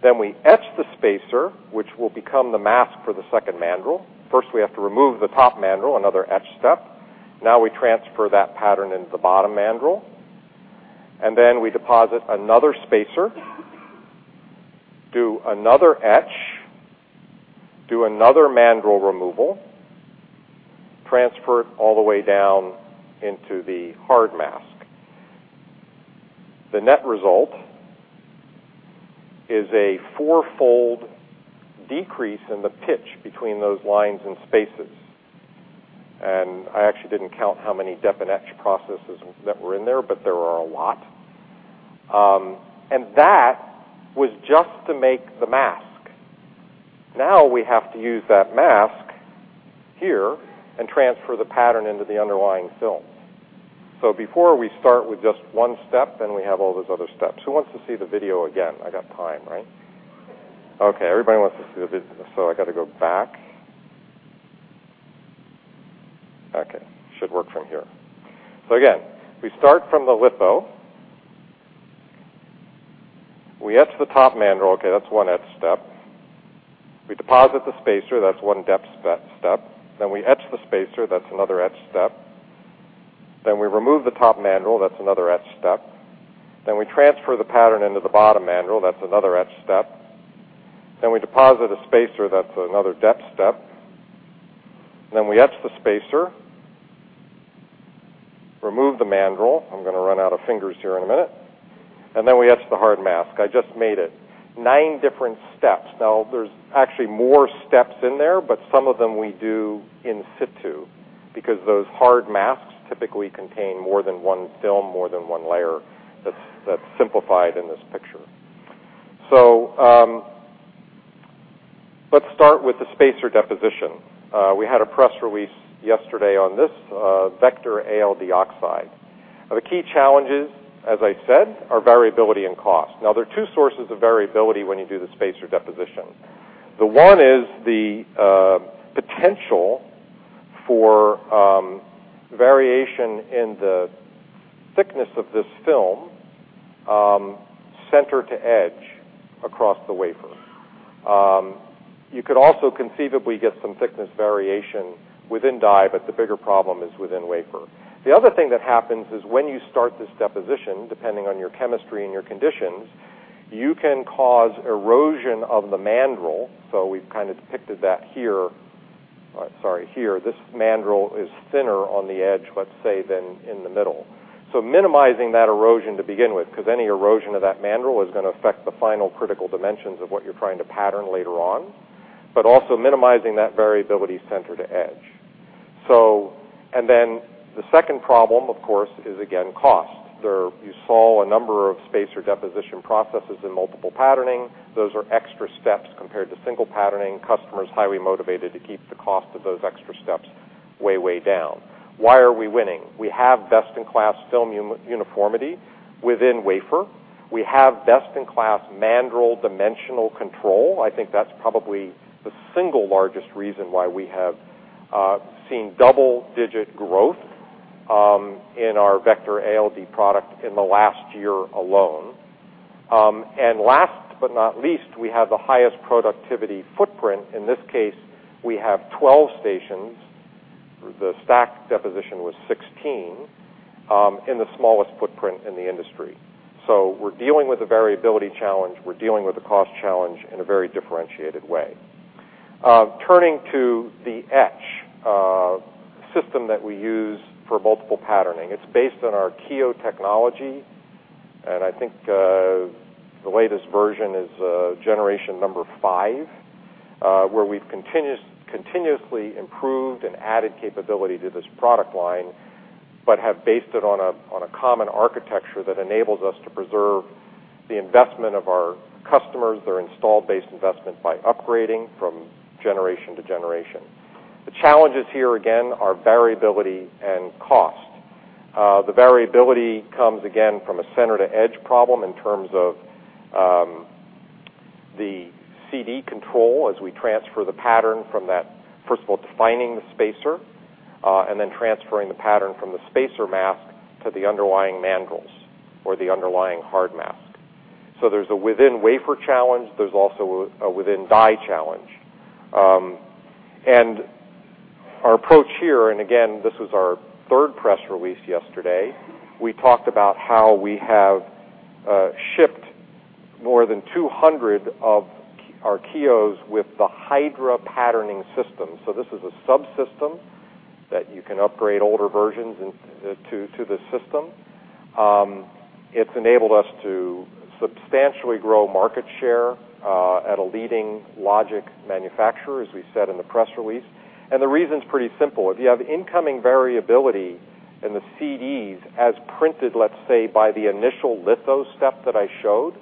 then we etch the spacer, which will become the mask for the second mandrel. First we have to remove the top mandrel, another etch step. Now we transfer that pattern into the bottom mandrel, and then we deposit another spacer, do another etch, do another mandrel removal, transfer it all the way down into the hard mask. The net result is a fourfold decrease in the pitch between those lines and spaces. I actually didn't count how many dep and etch processes that were in there, but there are a lot. That was just to make the mask. Now we have to use that mask here and transfer the pattern into the underlying film. Before we start with just one step, then we have all those other steps. Who wants to see the video again? I got time, right? Everybody wants to see the video, so I got to go back. Should work from here. Again, we start from the litho. We etch the top mandrel. That's one etch step. We deposit the spacer. That's one dep step. We etch the spacer. That's another etch step. We remove the top mandrel. That's another etch step. We transfer the pattern into the bottom mandrel. That's another etch step. We deposit a spacer. That's another dep step. We etch the spacer, remove the mandrel. I'm going to run out of fingers here in a minute. We etch the hard mask. I just made it nine different steps. There's actually more steps in there, but some of them we do in situ, because those hard masks typically contain more than one film, more than one layer. That's simplified in this picture. Let's start with the spacer deposition. We had a press release yesterday on this VECTOR ALD oxide. The key challenges, as I said, are variability and cost. There are two sources of variability when you do the spacer deposition. The one is the potential for variation in the thickness of this film, center to edge across the wafer. You could also conceivably get some thickness variation within die, but the bigger problem is within wafer. The other thing that happens is when you start this deposition, depending on your chemistry and your conditions, you can cause erosion of the mandrel. We've depicted that here. This mandrel is thinner on the edge, let's say, than in the middle. Minimizing that erosion to begin with, because any erosion of that mandrel is going to affect the final critical dimensions of what you're trying to pattern later on, but also minimizing that variability center to edge. The second problem, of course, is again, cost. You saw a number of spacer deposition processes in multiple patterning. Those are extra steps compared to single patterning. Customers highly motivated to keep the cost of those extra steps way down. Why are we winning? We have best in class film uniformity within wafer. We have best in class mandrel dimensional control. I think that's probably the single largest reason why we have seen double-digit growth in our VECTOR ALD product in the last year alone. Last but not least, we have the highest productivity footprint. In this case, we have 12 stations. The stack deposition was 16, in the smallest footprint in the industry. We're dealing with a variability challenge. We're dealing with a cost challenge in a very differentiated way. Turning to the etch system that we use for multi-patterning. It's based on our Kiyo technology, and I think the latest version is generation 5, where we've continuously improved and added capability to this product line. Have based it on a common architecture that enables us to preserve the investment of our customers, their installed base investment, by upgrading from generation to generation. The challenges here, again, are variability and cost. The variability comes, again, from a center to edge problem in terms of the CD control as we transfer the pattern from that, first of all, defining the spacer, and then transferring the pattern from the spacer mask to the underlying mandrels or the underlying hard mask. There's a within-wafer challenge. There's also a within-die challenge. Our approach here, and again, this was our third press release yesterday, we talked about how we have shipped more than 200 of our Kiyos with the Hydra patterning system. This is a subsystem that you can upgrade older versions to the system. It's enabled us to substantially grow market share at a leading logic manufacturer, as we said in the press release. The reason's pretty simple. If you have incoming variability in the CDs as printed, let's say, by the initial litho step that I showed,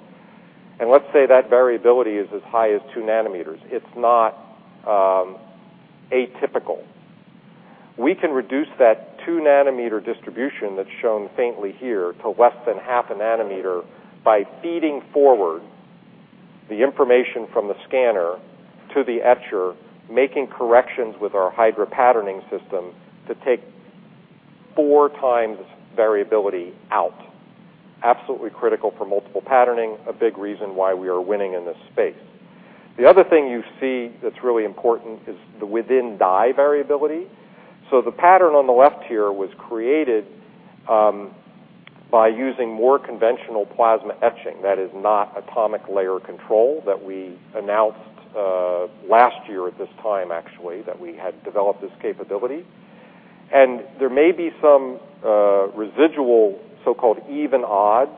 and let's say that variability is as high as 2 nanometers, it's not atypical. We can reduce that 2 nanometer distribution that's shown faintly here to less than half a nanometer by feeding forward the information from the scanner to the etcher, making corrections with our Hydra patterning system to take 4 times variability out. Absolutely critical for multi-patterning, a big reason why we are winning in this space. The other thing you see that's really important is the within-die variability. The pattern on the left here was created by using more conventional plasma etching, that is not atomic layer control that we announced last year at this time, actually, that we had developed this capability. There may be some residual, so-called even/odd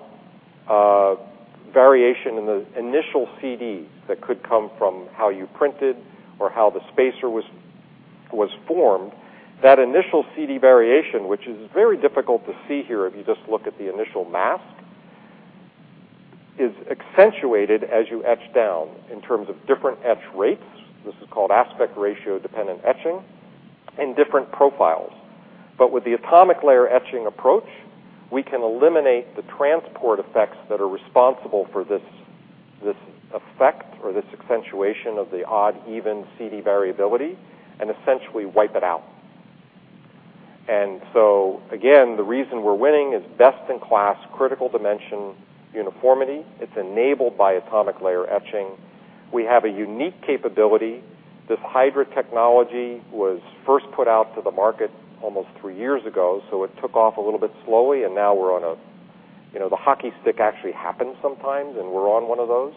variation in the initial CD that could come from how you printed or how the spacer was formed. That initial CD variation, which is very difficult to see here if you just look at the initial mask, is accentuated as you etch down in terms of different etch rates, this is called aspect ratio dependent etching, and different profiles. With the atomic layer etching approach, we can eliminate the transport effects that are responsible for this effect or this accentuation of the odd/even CD variability and essentially wipe it out. Again, the reason we're winning is best-in-class critical dimension uniformity. It's enabled by atomic layer etching. We have a unique capability. This Hydra technology was first put out to the market almost three years ago, so it took off a little bit slowly, and now the hockey stick actually happens sometimes, and we're on one of those.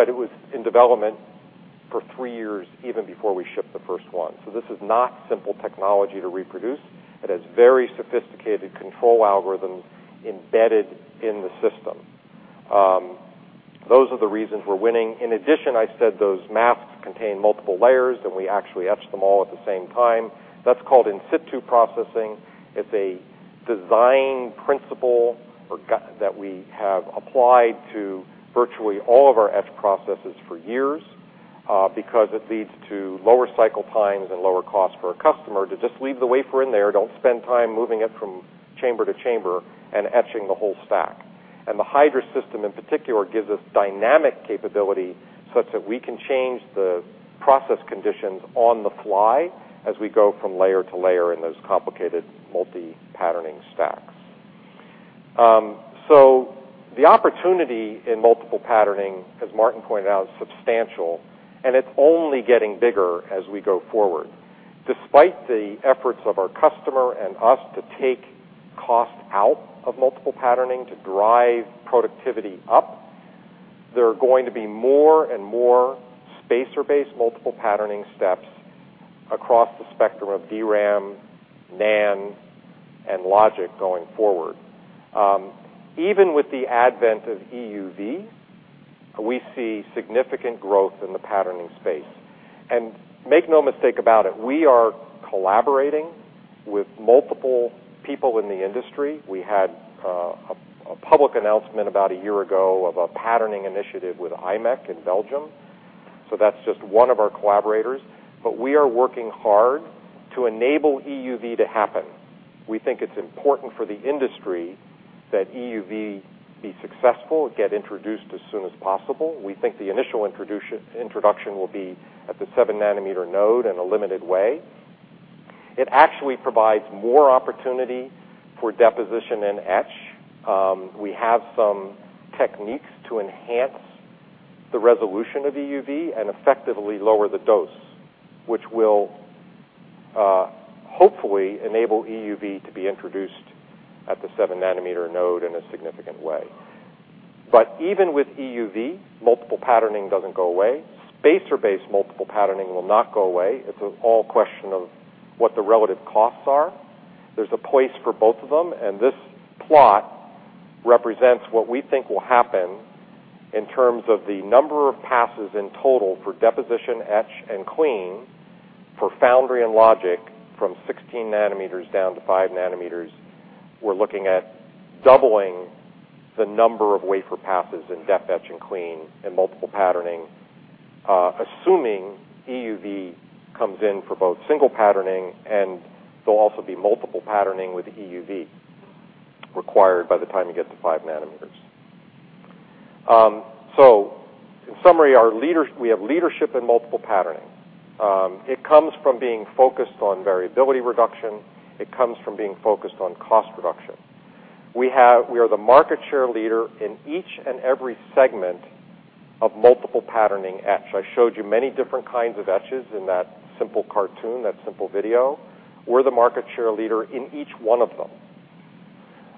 It was in development for three years, even before we shipped the first one. This is not simple technology to reproduce. It has very sophisticated control algorithms embedded in the system. Those are the reasons we're winning. In addition, I said those masks contain multiple layers, and we actually etch them all at the same time. That's called in-situ processing. It's a design principle that we have applied to virtually all of our etch processes for years because it leads to lower cycle times and lower cost for our customer to just leave the wafer in there, don't spend time moving it from chamber to chamber, and etching the whole stack. The Hydra system, in particular, gives us dynamic capability such that we can change the process conditions on the fly as we go from layer to layer in those complicated multi-patterning stacks. The opportunity in multiple patterning, as Martin pointed out, is substantial, and it's only getting bigger as we go forward. Despite the efforts of our customer and us to take cost out of multiple patterning to drive productivity up, there are going to be more and more spacer-based multiple patterning steps across the spectrum of DRAM, NAND, and logic going forward. Even with the advent of EUV, we see significant growth in the patterning space. Make no mistake about it, we are collaborating with multiple people in the industry. We had a public announcement about a year ago of a patterning initiative with imec in Belgium, so that's just one of our collaborators. We are working hard to enable EUV to happen. We think it's important for the industry that EUV be successful, get introduced as soon as possible. We think the initial introduction will be at the 7 nanometer node in a limited way. It actually provides more opportunity for deposition and etch. We have some techniques to enhance the resolution of EUV and effectively lower the dose, which will, hopefully, enable EUV to be introduced at the 7 nanometer node in a significant way. Even with EUV, multiple patterning doesn't go away. Spacer-based multiple patterning will not go away. It's all question of what the relative costs are. There's a place for both of them, and this plot represents what we think will happen in terms of the number of passes in total for deposition, etch, and clean for foundry and logic from 16 nanometers down to 5 nanometers. We're looking at doubling the number of wafer passes in depth etch and clean and multiple patterning, assuming EUV comes in for both single patterning, and there'll also be multiple patterning with EUV required by the time you get to 5 nanometers. In summary, we have leadership in multiple patterning. It comes from being focused on variability reduction. It comes from being focused on cost reduction. We are the market share leader in each and every segment of multiple patterning etch. I showed you many different kinds of etches in that simple cartoon, that simple video. We're the market share leader in each one of them.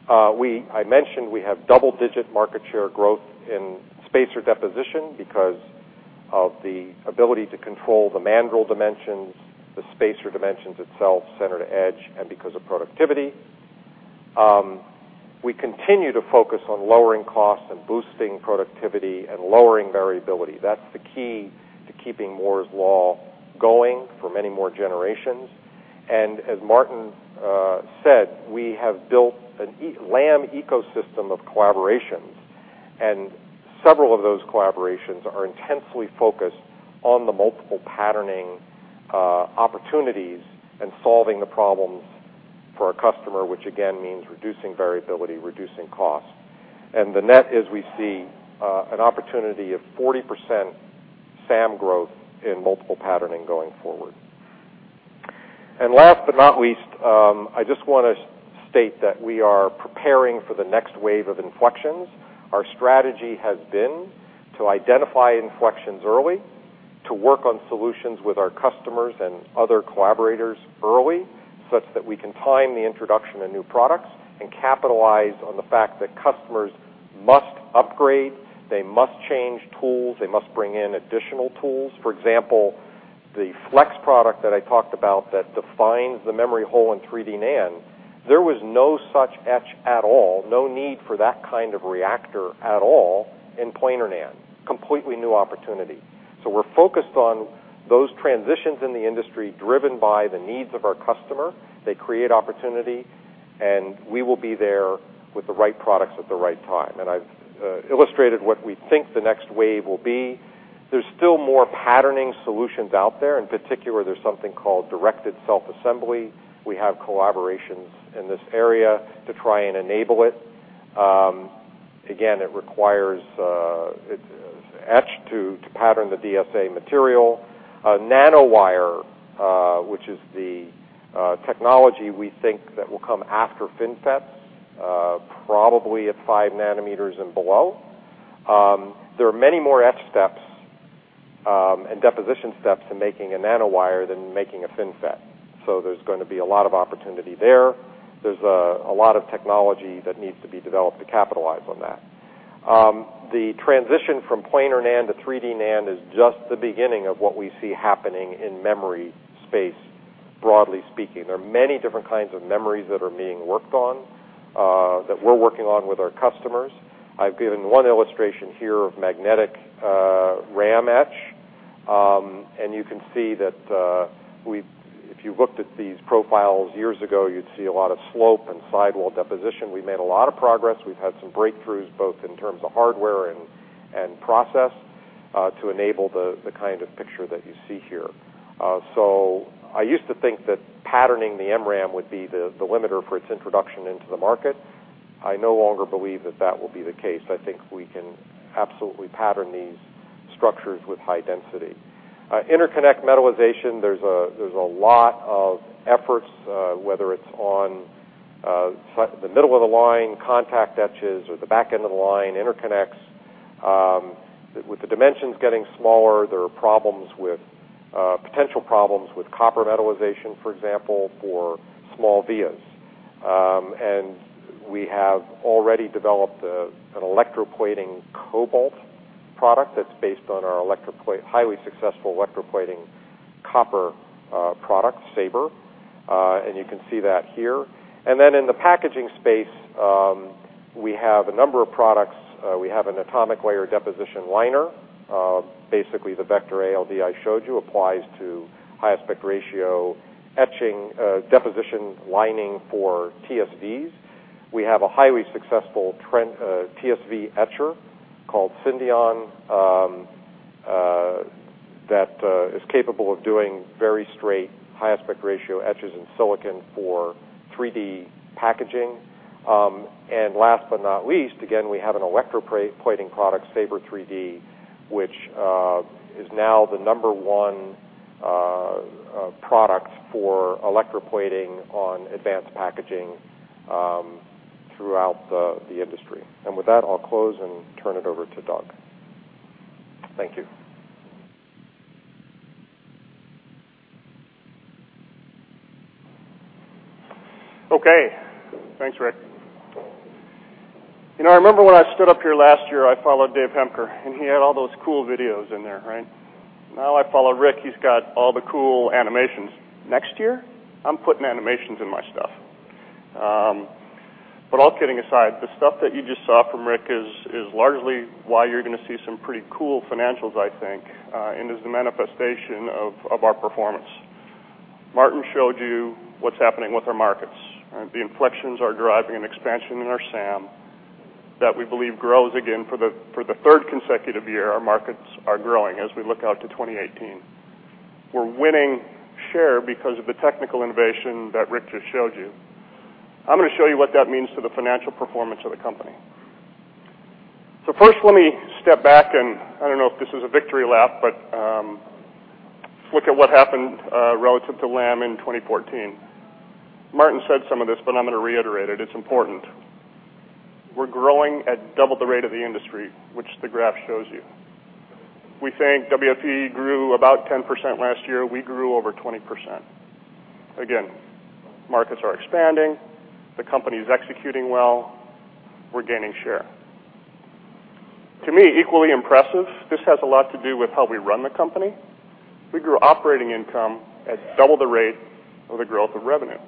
I mentioned we have double-digit market share growth in spacer deposition because of the ability to control the mandrel dimensions, the spacer dimensions itself, center to edge, and because of productivity. We continue to focus on lowering costs and boosting productivity and lowering variability. That's the key to keeping Moore's Law going for many more generations. As Martin said, we have built a Lam ecosystem of collaborations, and several of those collaborations are intensely focused on the multi-patterning opportunities and solving the problems for our customer, which again, means reducing variability, reducing cost. The net is we see an opportunity of 40% SAM growth in multi-patterning going forward. Last but not least, I just want to state that we are preparing for the next wave of inflections. Our strategy has been to identify inflections early, to work on solutions with our customers and other collaborators early, such that we can time the introduction of new products and capitalize on the fact that customers must upgrade, they must change tools, they must bring in additional tools. For example, the Flex product that I talked about that defines the memory hole in 3D NAND, there was no such etch at all, no need for that kind of reactor at all in planar NAND. Completely new opportunity. We're focused on those transitions in the industry, driven by the needs of our customer. They create opportunity, and we will be there with the right products at the right time. I've illustrated what we think the next wave will be. There's still more patterning solutions out there. In particular, there's something called directed self-assembly. We have collaborations in this area to try and enable it. Again, it requires etch to pattern the DSA material. Nanowire, which is the technology we think that will come after FinFET, probably at five nanometers and below. There are many more etch steps and deposition steps in making a nanowire than making a FinFET. There's going to be a lot of opportunity there. There's a lot of technology that needs to be developed to capitalize on that. The transition from planar NAND to 3D NAND is just the beginning of what we see happening in memory space, broadly speaking. There are many different kinds of memories that are being worked on, that we're working on with our customers. I've given one illustration here of magnetic RAM etch. You can see that if you looked at these profiles years ago, you'd see a lot of slope and sidewall deposition. We've made a lot of progress. We've had some breakthroughs, both in terms of hardware and process, to enable the kind of picture that you see here. I used to think that patterning the MRAM would be the limiter for its introduction into the market. I no longer believe that that will be the case. I think we can absolutely pattern these structures with high density. Interconnect metallization, there's a lot of efforts, whether it's on the middle of the line, contact etches or the back end of the line interconnects. With the dimensions getting smaller, there are potential problems with copper metallization, for example, for small vias. We have already developed an electroplating cobalt product that's based on our highly successful electroplating copper product, SABRE, and you can see that here. Then in the packaging space, we have a number of products. We have an atomic layer deposition liner. Basically, the VECTOR ALD I showed you applies to high aspect ratio deposition lining for TSVs. We have a highly successful TSV etcher called Syndion, that is capable of doing very straight, high aspect ratio etches in silicon for 3D packaging. Last but not least, again, we have an electroplating product, SABRE 3D, which is now the number one product for electroplating on advanced packaging throughout the industry. With that, I'll close and turn it over to Doug. Thank you. Okay. Thanks, Rick. I remember when I stood up here last year, I followed Dave Hemker, and he had all those cool videos in there, right? Now I follow Rick. He's got all the cool animations. Next year, I'm putting animations in my stuff. All kidding aside, the stuff that you just saw from Rick is largely why you're going to see some pretty cool financials, I think, and is the manifestation of our performance. Martin showed you what's happening with our markets. The inflections are driving an expansion in our SAM that we believe grows again for the third consecutive year. Our markets are growing as we look out to 2018. We're winning share because of the technical innovation that Rick just showed you. I'm going to show you what that means to the financial performance of the company. First, let me step back, and I don't know if this is a victory lap, but let's look at what happened relative to Lam Research in 2014. Martin said some of this, but I'm going to reiterate it. It's important. We're growing at double the rate of the industry, which the graph shows you. We think WFE grew about 10% last year. We grew over 20%. Again, markets are expanding. The company is executing well. We're gaining share. To me, equally impressive, this has a lot to do with how we run the company. We grew operating income at double the rate of the growth of revenue.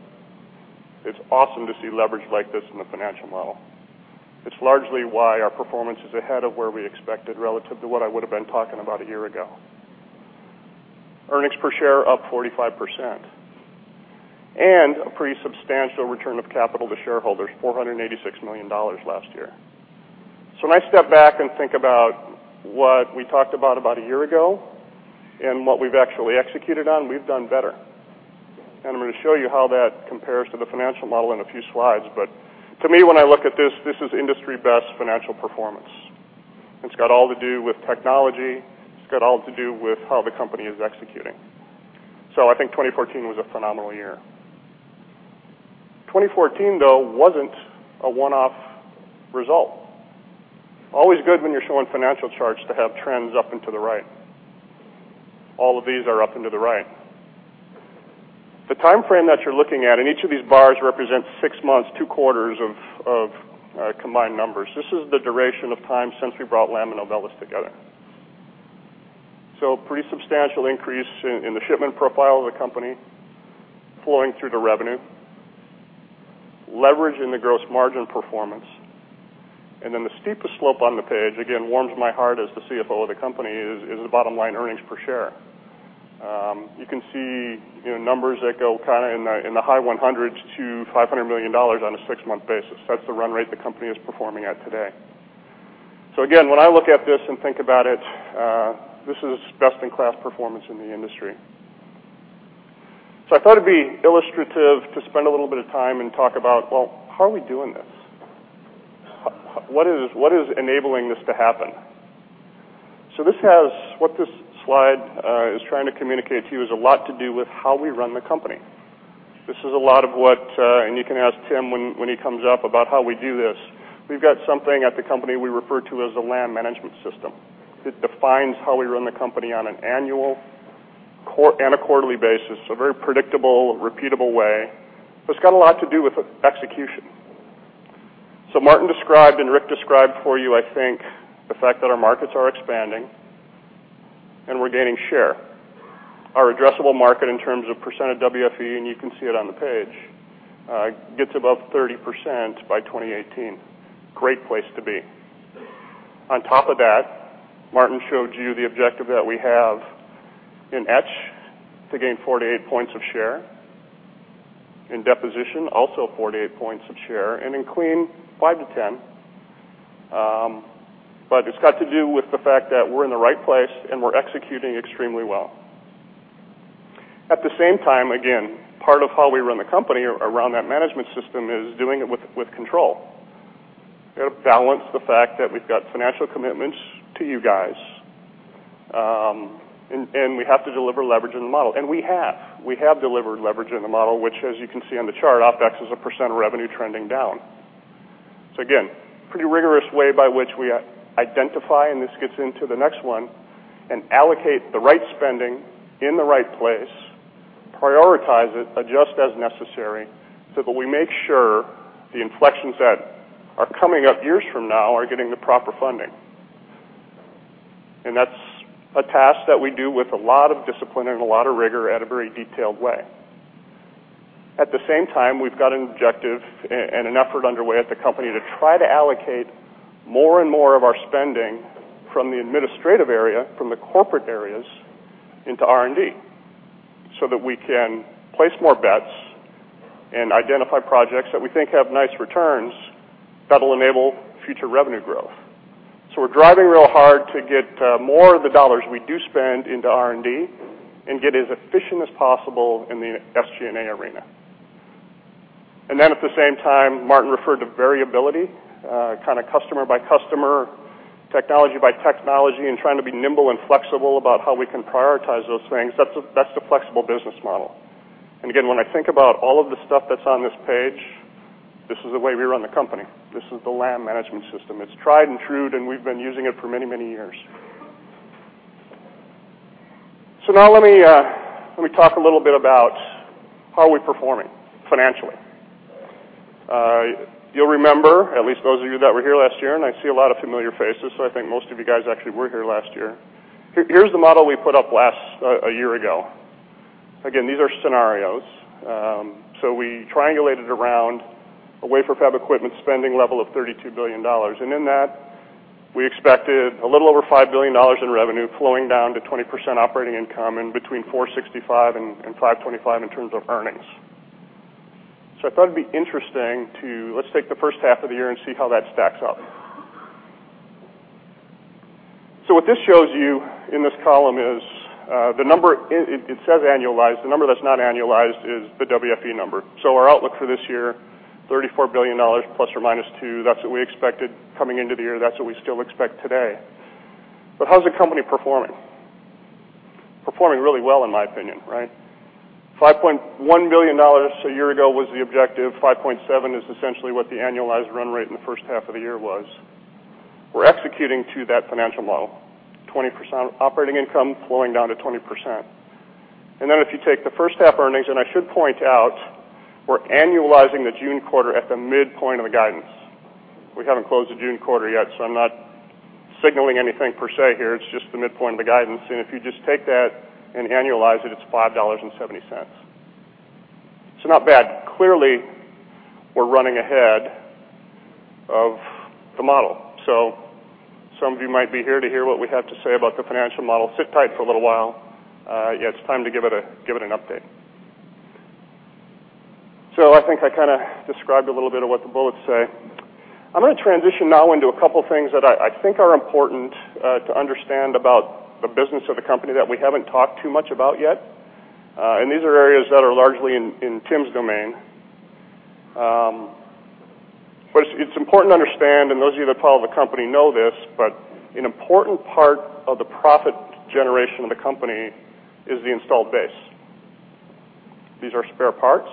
It's awesome to see leverage like this in the financial model. It's largely why our performance is ahead of where we expected relative to what I would've been talking about a year ago. Earnings per share up 45% and a pretty substantial return of capital to shareholders, $486 million last year. When I step back and think about what we talked about a year ago and what we've actually executed on, we've done better. I'm going to show you how that compares to the financial model in a few slides. To me, when I look at this is industry best financial performance. It's got all to do with technology. It's got all to do with how the company is executing. I think 2014 was a phenomenal year. 2014, though, wasn't a one-off result. Always good when you're showing financial charts to have trends up and to the right. All of these are up and to the right. The timeframe that you're looking at, and each of these bars represents six months, two quarters of our combined numbers. This is the duration of time since we brought Lam and Novellus together. Pretty substantial increase in the shipment profile of the company flowing through to revenue, leverage in the gross margin performance, and then the steepest slope on the page, again, warms my heart as the CFO of the company, is the bottom line earnings per share. You can see numbers that go in the high hundreds to $500 million on a 6-month basis. That's the run rate the company is performing at today. Again, when I look at this and think about it, this is best-in-class performance in the industry. I thought it'd be illustrative to spend a little bit of time and talk about, well, how are we doing this? What is enabling this to happen? What this slide is trying to communicate to you is a lot to do with how we run the company. This is a lot of what, and you can ask Tim when he comes up about how we do this. We've got something at the company we refer to as a Lam Management System that defines how we run the company on an annual and a quarterly basis, a very predictable, repeatable way, but it's got a lot to do with execution. Martin described, and Rick described for you, I think, the fact that our markets are expanding and we're gaining share. Our addressable market in terms of % of WFE, and you can see it on the page, gets above 30% by 2018. Great place to be. On top of that, Martin showed you the objective that we have in etch to gain 48 points of share, in deposition, also 48 points of share, and in clean, 5 to 10. It's got to do with the fact that we're in the right place and we're executing extremely well. At the same time, again, part of how we run the company around that Management System is doing it with control. Got to balance the fact that we've got financial commitments to you guys, and we have to deliver leverage in the model. We have. We have delivered leverage in the model, which, as you can see on the chart, OpEx as a % of revenue trending down. Again, pretty rigorous way by which we identify, and this gets into the next one, and allocate the right spending in the right place, prioritize it, adjust as necessary, so that we make sure the inflections that are coming up years from now are getting the proper funding. That's a task that we do with a lot of discipline and a lot of rigor at a very detailed way. At the same time, we've got an objective and an effort underway at the company to try to allocate more and more of our spending from the administrative area, from the corporate areas into R&D, so that we can place more bets and identify projects that we think have nice returns that'll enable future revenue growth. We're driving real hard to get more of the dollars we do spend into R&D and get as efficient as possible in the SG&A arena. At the same time, Martin referred to variability, kind of customer by customer, technology by technology, and trying to be nimble and flexible about how we can prioritize those things. That's the flexible business model. Again, when I think about all of the stuff that's on this page, this is the way we run the company. This is the Lam Management System. It's tried and trued, and we've been using it for many, many years. Let me talk a little bit about how are we performing financially. You'll remember, at least those of you that were here last year, and I see a lot of familiar faces, so I think most of you guys actually were here last year. Here's the model we put up a year ago. Again, these are scenarios. We triangulated around a wafer fab equipment spending level of $32 billion. In that, we expected a little over $5 billion in revenue flowing down to 20% operating income and between $465 and $525 in terms of earnings. I thought it'd be interesting to, let's take the first half of the year and see how that stacks up. What this shows you in this column is the number, it says annualized. The number that's not annualized is the WFE number. Our outlook for this year, $34 billion plus or minus 2. That's what we expected coming into the year. That's what we still expect today. How's the company performing? Performing really well in my opinion. $5.1 billion a year ago was the objective. $5.70 is essentially what the annualized run rate in the first half of the year was. We're executing to that financial model, 20% operating income flowing down to 20%. If you take the first half earnings, and I should point out, we're annualizing the June quarter at the midpoint of the guidance. We haven't closed the June quarter yet, so I'm not signaling anything per se here. It's just the midpoint of the guidance. If you just take that and annualize it's $5.70. Not bad. Clearly, we're running ahead of the model. Some of you might be here to hear what we have to say about the financial model. Sit tight for a little while. Yeah, it's time to give it an update. I think I kind of described a little bit of what the bullets say. I'm going to transition now into a couple of things that I think are important to understand about the business of the company that we haven't talked too much about yet. These are areas that are largely in Tim's domain. It's important to understand, and those of you that follow the company know this, but an important part of the profit generation of the company is the installed base. These are spare parts.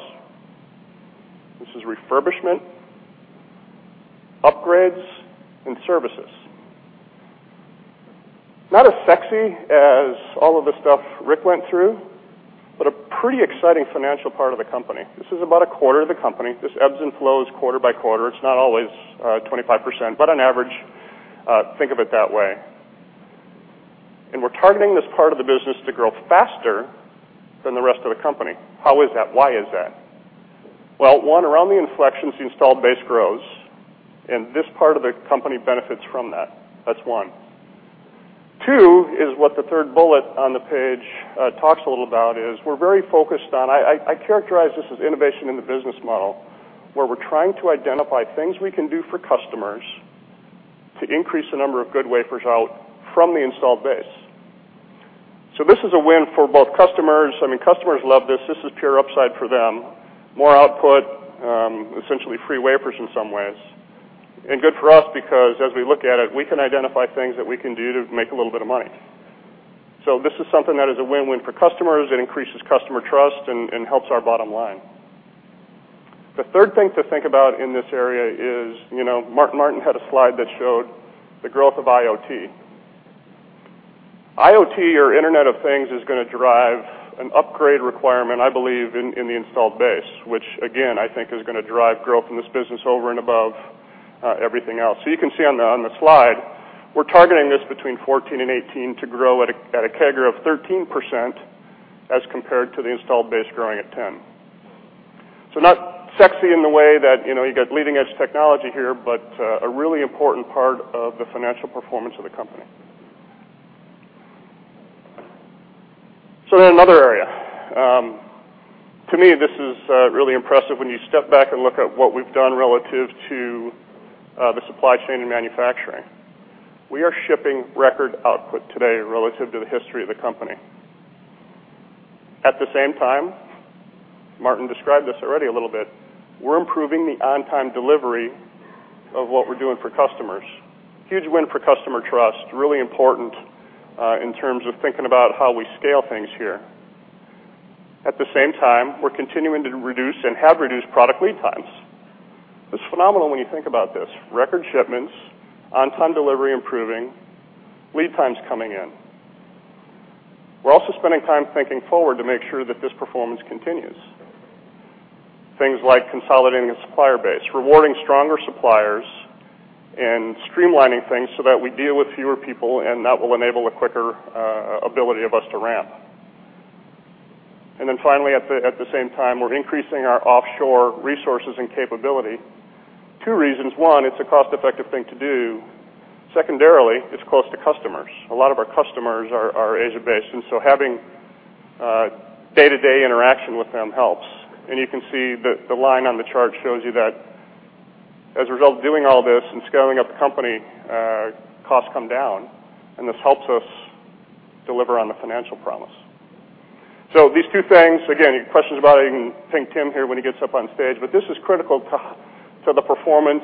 This is refurbishment, upgrades, and services. Not as sexy as all of the stuff Rick went through, but a pretty exciting financial part of the company. This is about a quarter of the company. This ebbs and flows quarter by quarter. It's not always 25%, but on average, think of it that way. We're targeting this part of the business to grow faster than the rest of the company. How is that? Why is that? One, around the inflections, the installed base grows, and this part of the company benefits from that. That's one. Two is what the third bullet on the page talks a little about. We're very focused on, I characterize this as innovation in the business model, where we're trying to identify things we can do for customers to increase the number of good wafers out from the installed base. This is a win for both customers. I mean, customers love this. This is pure upside for them. More output, essentially free wafers in some ways. Good for us because as we look at it, we can identify things that we can do to make a little bit of money. This is something that is a win-win for customers. It increases customer trust and helps our bottom line. The third thing to think about in this area is, Martin had a slide that showed the growth of IoT. IoT or Internet of Things is going to drive an upgrade requirement, I believe, in the installed base, which again, I think is going to drive growth in this business over and above everything else. You can see on the slide, we're targeting this between 14 and 18 to grow at a CAGR of 13% as compared to the installed base growing at 10. Not sexy in the way that you got leading-edge technology here, but a really important part of the financial performance of the company. Another area. To me, this is really impressive when you step back and look at what we've done relative to the supply chain and manufacturing. We are shipping record output today relative to the history of the company. At the same time, Martin described this already a little bit, we're improving the on-time delivery of what we're doing for customers. Huge win for customer trust, really important in terms of thinking about how we scale things here. At the same time, we're continuing to reduce and have reduced product lead times. It's phenomenal when you think about this. Record shipments, on-time delivery improving, lead times coming in. We're also spending time thinking forward to make sure that this performance continues. Things like consolidating a supplier base, rewarding stronger suppliers, and streamlining things so that we deal with fewer people, and that will enable a quicker ability of us to ramp. Finally, at the same time, we're increasing our offshore resources and capability. Two reasons. One, it's a cost-effective thing to do. Secondarily, it's close to customers. A lot of our customers are Asia-based, having day-to-day interaction with them helps. You can see the line on the chart shows you that as a result of doing all this and scaling up the company, costs come down, and this helps us deliver on the financial promise. These two things, again, any questions about it, you can ping Tim here when he gets up on stage. This is critical to the performance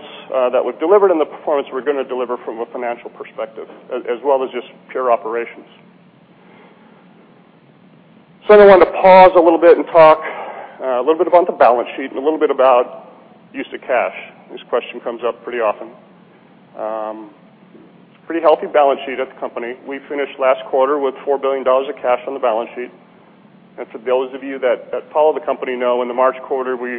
that we've delivered and the performance we're going to deliver from a financial perspective, as well as just pure operations. I want to pause a little bit and talk a little bit about the balance sheet and a little bit about use of cash. This question comes up pretty often. Pretty healthy balance sheet at the company. We finished last quarter with $4 billion of cash on the balance sheet. For those of you that follow the company know, in the March quarter, we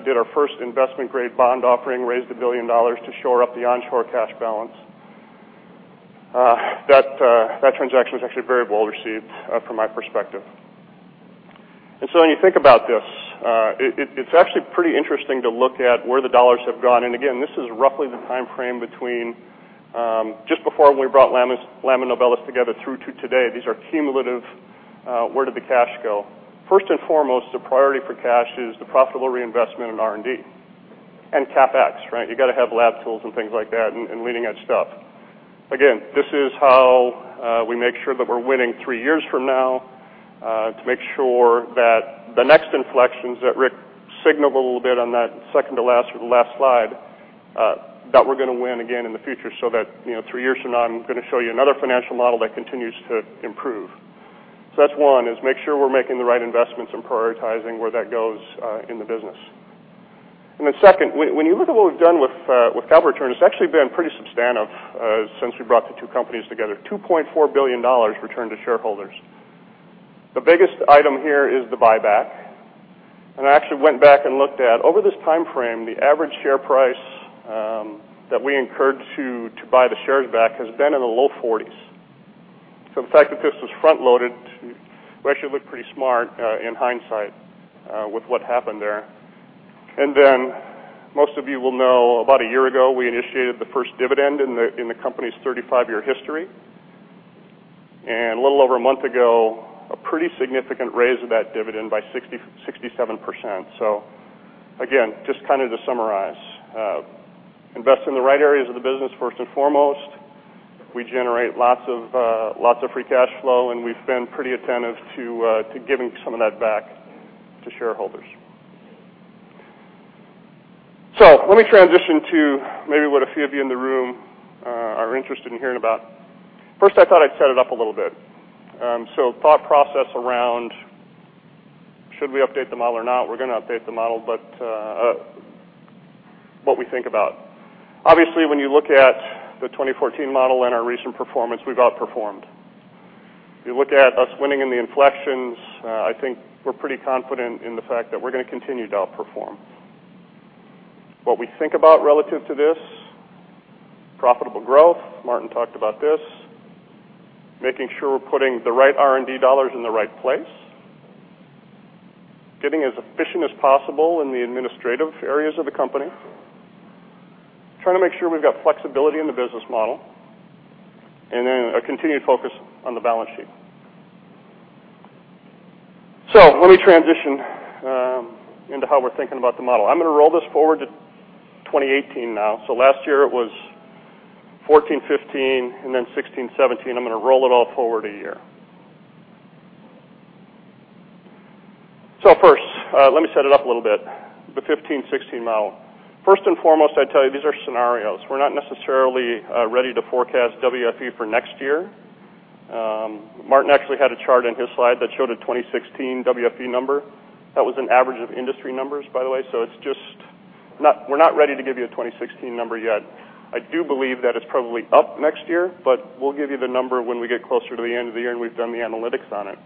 did our first investment grade bond offering, raised $1 billion to shore up the onshore cash balance. That transaction was actually very well-received, from my perspective. When you think about this, it's actually pretty interesting to look at where the dollars have gone. This is roughly the time frame between just before we brought Lam and Novellus Systems together through to today. These are cumulative, where did the cash go? First and foremost, the priority for cash is the profitable reinvestment in R&D and CapEx. You got to have lab tools and things like that and leading-edge stuff. This is how we make sure that we're winning 3 years from now, to make sure that the next inflections that Rick signaled a little bit on that second to last or the last slide, that we're going to win again in the future so that, 3 years from now, I'm going to show you another financial model that continues to improve. That's one, is make sure we're making the right investments and prioritizing where that goes in the business. Second, when you look at what we've done with capital return, it's actually been pretty substantive since we brought the two companies together. $2.4 billion returned to shareholders. The biggest item here is the buyback. I actually went back and looked at, over this time frame, the average share price that we incurred to buy the shares back has been in the low 40s. The fact that this was front-loaded, we actually look pretty smart in hindsight, with what happened there. Most of you will know, about one year ago, we initiated the first dividend in the company's 35-year history. Little over one month ago, a pretty significant raise of that dividend by 67%. Just to summarize, invest in the right areas of the business first and foremost. We generate lots of free cash flow, and we've been pretty attentive to giving some of that back to shareholders. Let me transition to maybe what a few of you in the room are interested in hearing about. First, I thought I'd set it up a little bit. Thought process around should we update the model or not. We're going to update the model, but what we think about. Obviously, when you look at the 2014 model and our recent performance, we've outperformed. If you look at us winning in the inflections, I think we're pretty confident in the fact that we're going to continue to outperform. What we think about relative to this: profitable growth, Martin talked about this. Making sure we're putting the right R&D dollars in the right place. Getting as efficient as possible in the administrative areas of the company. Trying to make sure we've got flexibility in the business model, and then a continued focus on the balance sheet. Let me transition into how we're thinking about the model. I'm going to roll this forward to 2018 now. Last year it was 2014, 2015, and then 2016, 2017. I'm going to roll it all forward one year. First, let me set it up a little bit. The 2015, 2016 model. First and foremost, I tell you, these are scenarios. We're not necessarily ready to forecast WFE for next year. Martin actually had a chart in his slide that showed a 2016 WFE number. That was an average of industry numbers, by the way. We're not ready to give you a 2016 number yet. I do believe that it's probably up next year. We'll give you the number when we get closer to the end of the year and we've done the analytics on it.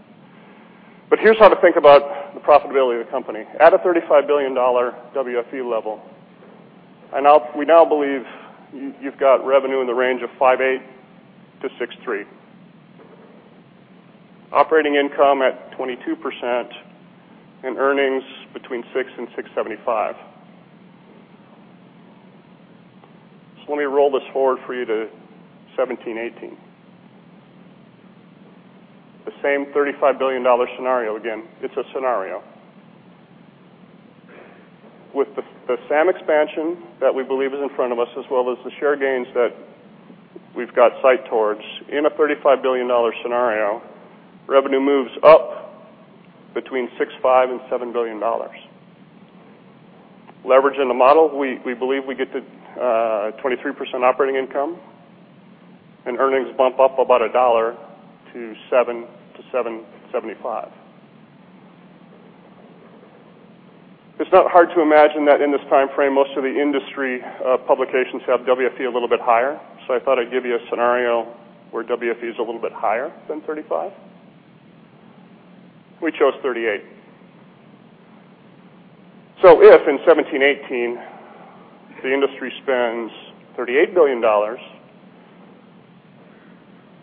Here's how to think about the profitability of the company. At a $35 billion WFE level, we now believe you've got revenue in the range of $5.8-$6.3. Operating income at 22%, and earnings between $6 and $6.75. Let me roll this forward for you to 2017, 2018. The same $35 billion scenario. Again, it's a scenario. With the SAM expansion that we believe is in front of us, as well as the share gains that we've got sight towards, in a $35 billion scenario, revenue moves up between $6.5 billion and $7 billion. Leveraging the model, we believe we get to a 23% operating income, and earnings bump up about a dollar to $7 to $7.75. It's not hard to imagine that in this time frame, most of the industry publications have WFE a little bit higher. I thought I'd give you a scenario where WFE is a little bit higher than $35 billion. We chose $38 billion. If in 2017, 2018, the industry spends $38 billion,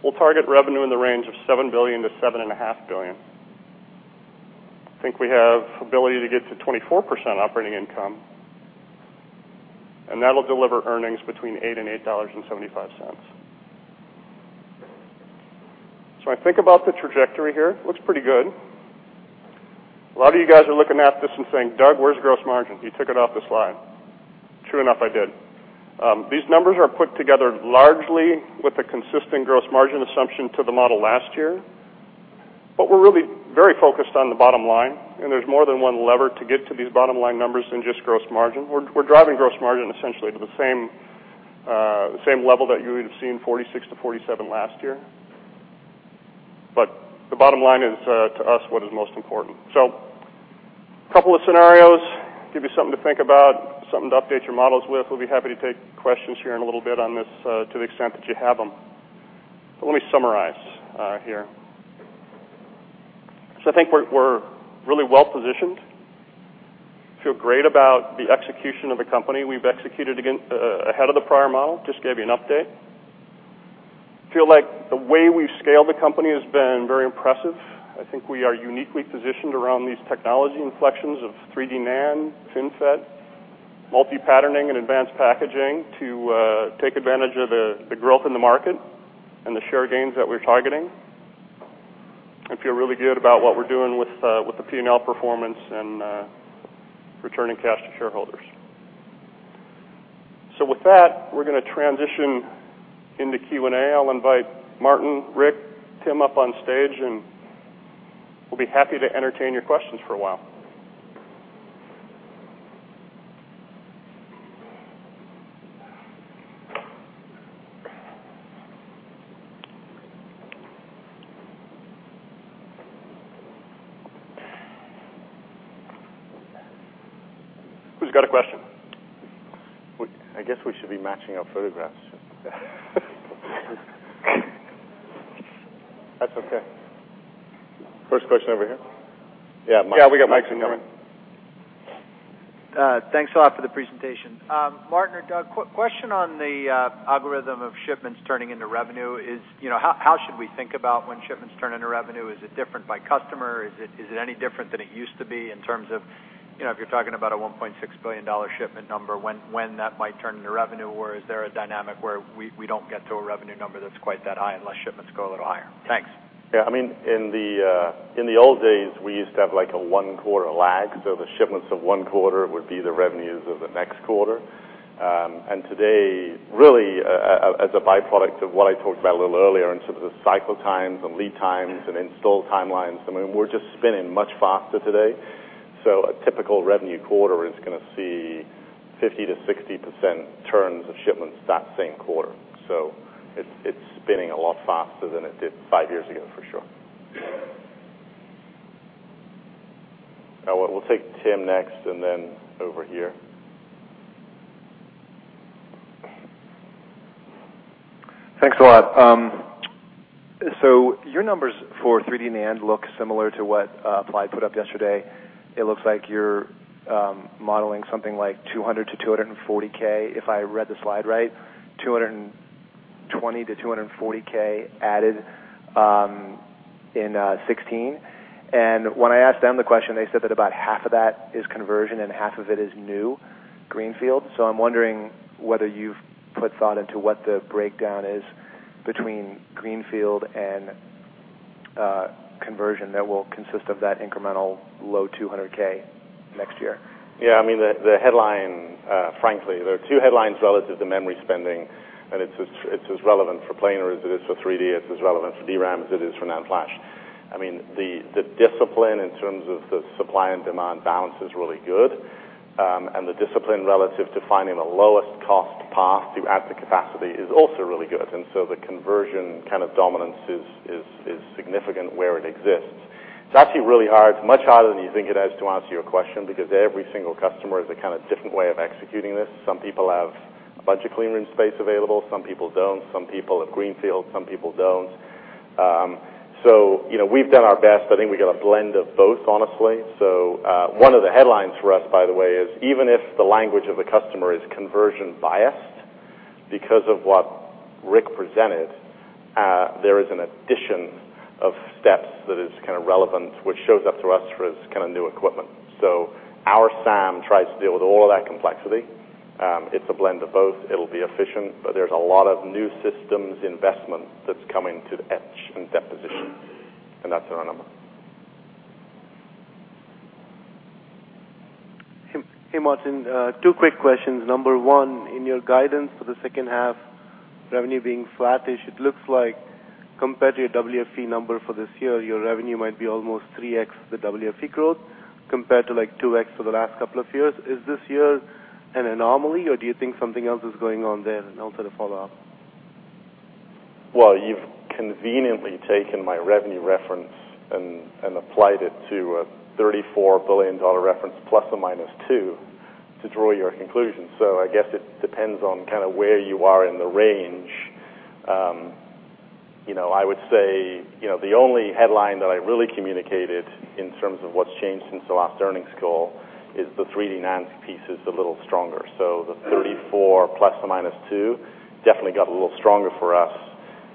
we'll target revenue in the range of $7 billion to $7.5 billion. I think we have ability to get to 24% operating income, and that'll deliver earnings between $8 and $8.75. I think about the trajectory here. Looks pretty good. A lot of you guys are looking at this and saying, "Doug, where's gross margin? You took it off the slide." True enough, I did. These numbers are put together largely with a consistent gross margin assumption to the model last year. We're really very focused on the bottom line, and there's more than one lever to get to these bottom-line numbers than just gross margin. We're driving gross margin essentially to the same level that you would have seen 46%-47% last year. The bottom line is, to us, what is most important. A couple of scenarios, give you something to think about, something to update your models with. We'll be happy to take questions here in a little bit on this to the extent that you have them. Let me summarize here. I think we're really well-positioned. Feel great about the execution of the company. We've executed ahead of the prior model. Just gave you an update. Feel like the way we've scaled the company has been very impressive. I think we are uniquely positioned around these technology inflections of 3D NAND, FinFET, multi-patterning, and advanced packaging to take advantage of the growth in the market and the share gains that we're targeting, and feel really good about what we're doing with the P&L performance and returning cash to shareholders. With that, we're going to transition into Q&A. I'll invite Martin, Rick, Tim up on stage, and we'll be happy to entertain your questions for a while. Who's got a question? I guess we should be matching our photographs. That's okay. First question over here. Yeah, mic's coming. Yeah, we got mics coming. Thanks a lot for the presentation. Martin or Doug, question on the algorithm of shipments turning into revenue, how should we think about when shipments turn into revenue? Is it different by customer? Is it any different than it used to be in terms of, if you're talking about a $1.6 billion shipment number, when that might turn into revenue? Or is there a dynamic where we don't get to a revenue number that's quite that high unless shipments go a little higher? Thanks. Yeah, in the old days, we used to have a one-quarter lag. The shipments of one quarter would be the revenues of the next quarter. Today, really, as a byproduct of what I talked about a little earlier in terms of the cycle times and lead times and install timelines, we're just spinning much faster today. A typical revenue quarter is going to see 50%-60% turns of shipments that same quarter. It's spinning a lot faster than it did five years ago, for sure. We'll take Tim next, and then over here. Thanks a lot. Your numbers for 3D NAND look similar to what Applied put up yesterday. It looks like you're modeling something like 200K-240K, if I read the slide right, 220K-240K added in 2016. When I asked them the question, they said that about half of that is conversion and half of it is new greenfield. I'm wondering whether you've put thought into what the breakdown is between greenfield and conversion that will consist of that incremental low 200K next year. Yeah, the headline, frankly, there are two headlines relative to memory spending. It's as relevant for planar as it is for 3D, it's as relevant for DRAM as it is for NAND flash. The discipline in terms of the supply and demand balance is really good. The discipline relative to finding the lowest cost path to add the capacity is also really good. The conversion kind of dominance is significant where it exists. It's actually really hard, much harder than you think it is, to answer your question, because every single customer has a kind of different way of executing this. Some people have a bunch of clean room space available, some people don't. Some people have greenfield, some people don't. We've done our best. I think we got a blend of both, honestly. One of the headlines for us, by the way, is even if the language of the customer is conversion-biased, because of what Rick presented, there is an addition of steps that is kind of relevant, which shows up to us for this kind of new equipment. Our SAM tries to deal with all of that complexity. It's a blend of both. It'll be efficient, but there's a lot of new systems investment that's coming to the etch and deposition, that's our number. Hey, Martin. Two quick questions. Number 1, in your guidance for the second half, revenue being flattish, it looks like compared to your WFE number for this year, your revenue might be almost 3x the WFE growth compared to 2x for the last couple of years. Is this year an anomaly, or do you think something else is going on there? Also the follow-up. Well, you've conveniently taken my revenue reference and applied it to a $34 billion reference, plus or minus two, to draw your conclusion. I guess it depends on kind of where you are in the range. I would say, the only headline that I really communicated in terms of what's changed since the last earnings call is the 3D NAND piece is a little stronger. The 34 plus or minus two definitely got a little stronger for us.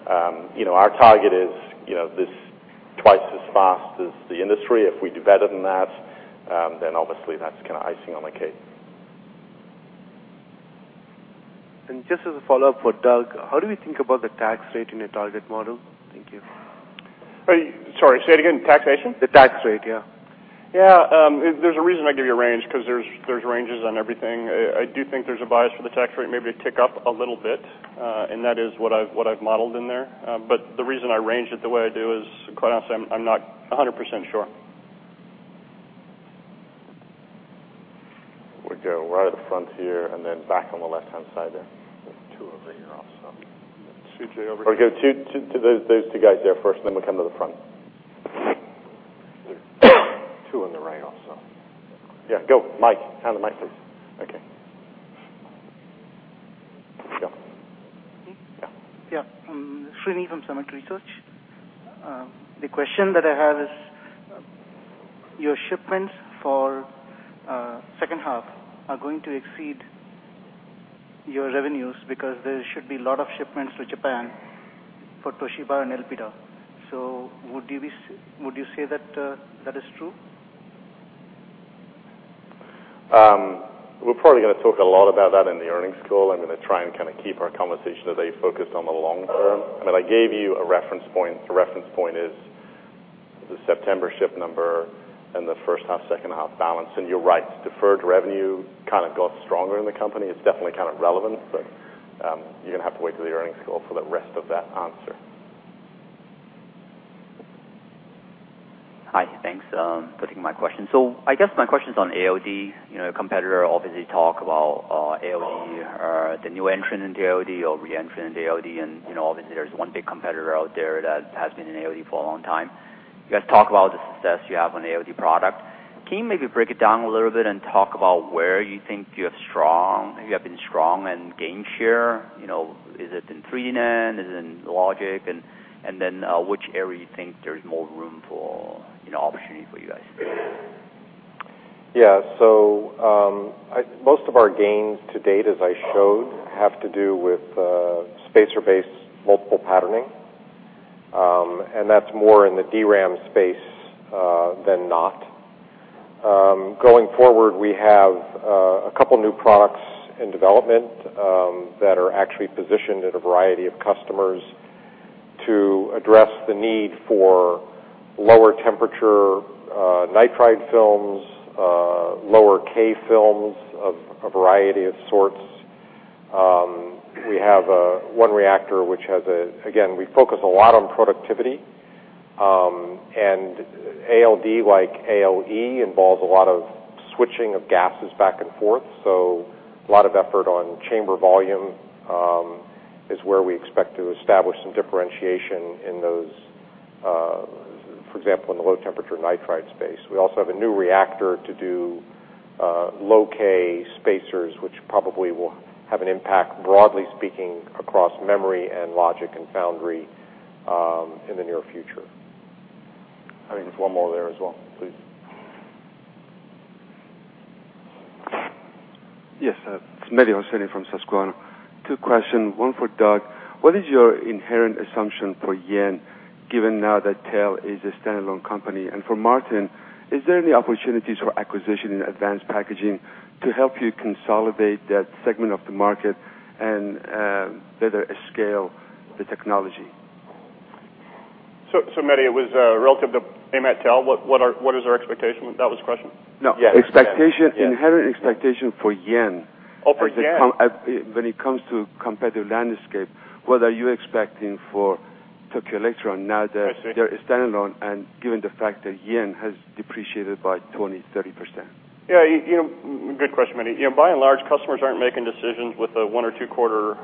Our target is twice as fast as the industry. If we do better than that, obviously that's kind of icing on the cake. Just as a follow-up for Doug, how do we think about the tax rate in your target model? Thank you. Sorry, say it again. Taxation? The tax rate, yeah. Yeah. There's a reason I give you a range, because there's ranges on everything. I do think there's a bias for the tax rate maybe to tick up a little bit, and that is what I've modeled in there. The reason I range it the way I do is, quite honestly, I'm not 100% sure. We're out of the front here, back on the left-hand side there. There's two over here also. C.J. We'll go those two guys there first, then we'll come to the front. Two on the right also. Yeah, go. Mike, hand the mic, please. Okay. Go. Me? Yeah. Yeah. Srini from Summit Research. The question that I have is, your shipments for second half are going to exceed your revenues because there should be lot of shipments to Japan for Toshiba and Elpida. Would you say that is true? We're probably going to talk a lot about that in the earnings call. I'm going to try and kind of keep our conversation today focused on the long term. I gave you a reference point. The reference point is the September ship number and the first half, second half balance. You're right, deferred revenue kind of got stronger in the company. It's definitely kind of relevant, you're going to have to wait till the earnings call for the rest of that answer. Hi. Thanks for taking my question. I guess my question's on ALD. Competitor obviously talk about ALD or the new entrant in the ALD or re-entrant in the ALD, and obviously, there's one big competitor out there that has been in ALD for a long time. You guys talk about the success you have on the ALD product. Can you maybe break it down a little bit and talk about where you think you have been strong and gained share? Is it in 3D NAND? Is it in logic? Which area you think there's more room for opportunity for you guys? Yeah. Most of our gains to date, as I showed, have to do with spacer-based multiple patterning. That's more in the DRAM space than not. Going forward, we have a couple new products in development that are actually positioned at a variety of customers to address the need for lower temperature nitride films, lower K films of a variety of sorts. We have one reactor which has again, we focus a lot on productivity, and ALD, like ALE, involves a lot of switching of gases back and forth. A lot of effort on chamber volume is where we expect to establish some differentiation in those, for example, in the low-temperature nitride space. We also have a new reactor to do low K spacers, which probably will have an impact, broadly speaking, across memory and logic and foundry in the near future. I think there's one more there as well. Please. Yes. Mehdi Hosseini from Susquehanna. Two questions, one for Doug. What is your inherent assumption for JPY, given now that TEL is a standalone company? For Martin, is there any opportunities for acquisition in advanced packaging to help you consolidate that segment of the market and better scale the technology? Mehdi, it was relative to AMAT/TEL, what is our expectation? That was the question? No. Yes. Inherent expectation for JPY? Oh, for JPY. When it comes to competitive landscape, what are you expecting for Tokyo Electron now that they're standalone and given the fact that JPY has depreciated by 20%, 30%? Yeah. Good question, Mehdi. By and large, customers aren't making decisions with a one or two-quarter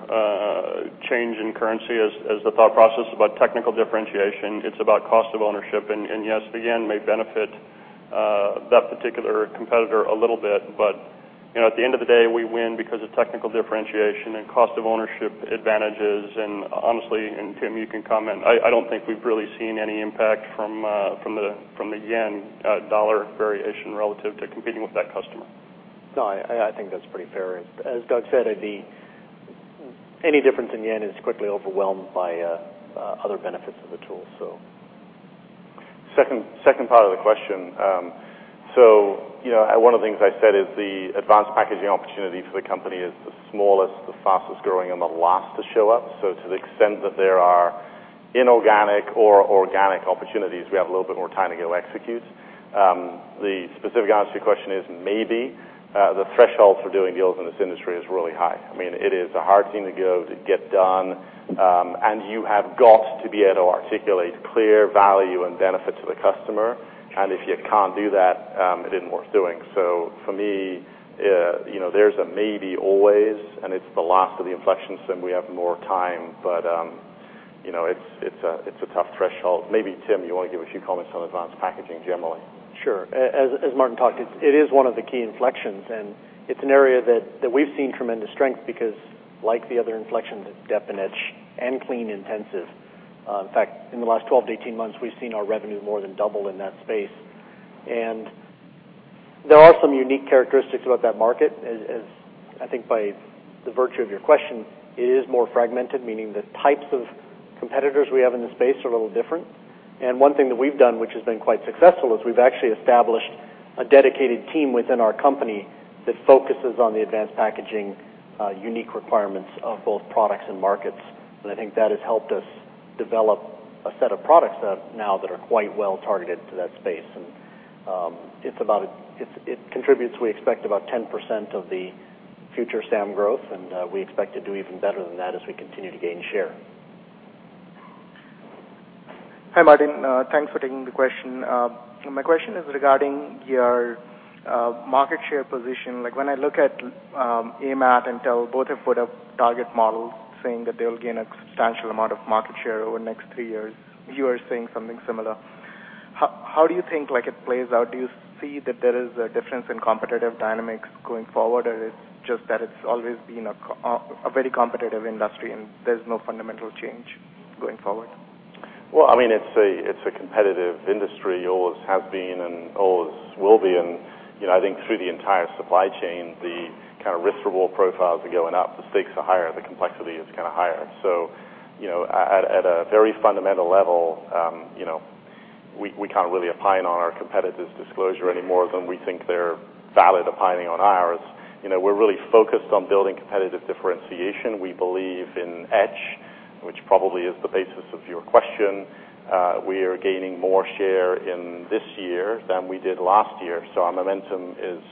change in currency as the thought process about technical differentiation. It's about cost of ownership. Yes, the JPY may benefit that particular competitor a little bit, but at the end of the day, we win because of technical differentiation and cost of ownership advantages, and honestly, Tim, you can comment, I don't think we've really seen any impact from the JPY-dollar variation relative to competing with that customer. No, I think that's pretty fair. As Doug said, any difference in yen is quickly overwhelmed by other benefits of the tool. Second part of the question. One of the things I said is the advanced packaging opportunity for the company is the smallest, the fastest-growing, and the last to show up. To the extent that there are inorganic or organic opportunities, we have a little bit more time to go execute. The specific answer to your question is maybe. The thresholds for doing deals in this industry is really high. It is a hard thing to go to get done. You have got to be able to articulate clear value and benefit to the customer. If you can't do that, it isn't worth doing. For me, there's a maybe always, and it's the last of the inflections, and we have more time. It's a tough threshold. Maybe, Tim, you want to give a few comments on advanced packaging generally? Sure. As Martin talked, it is one of the key inflections, and it's an area that we've seen tremendous strength because like the other inflections, it's dep and etch and clean intensive. In fact, in the last 12 to 18 months, we've seen our revenue more than double in that space. There are some unique characteristics about that market, as I think by the virtue of your question, it is more fragmented, meaning the types of competitors we have in the space are a little different. One thing that we've done, which has been quite successful, is we've actually established a dedicated team within our company that focuses on the advanced packaging unique requirements of both products and markets. I think that has helped us develop a set of products now that are quite well-targeted to that space. It contributes, we expect, about 10% of the future SAM growth, and we expect to do even better than that as we continue to gain share. Hi, Martin. Thanks for taking the question. My question is regarding your market share position. When I look at AMAT and Intel, both have put up target models saying that they'll gain a substantial amount of market share over the next three years. You are saying something similar. How do you think it plays out? Do you see that there is a difference in competitive dynamics going forward, or it's just that it's always been a very competitive industry and there's no fundamental change going forward? Well, it's a competitive industry, always has been, and always will be. I think through the entire supply chain, the risk reward profiles are going up, the stakes are higher, the complexity is kind of higher. At a very fundamental level, we can't really opine on our competitors' disclosure any more than we think they're valid opining on ours. We're really focused on building competitive differentiation. We believe in etch, which probably is the basis of your question. We are gaining more share in this year than we did last year, so our momentum is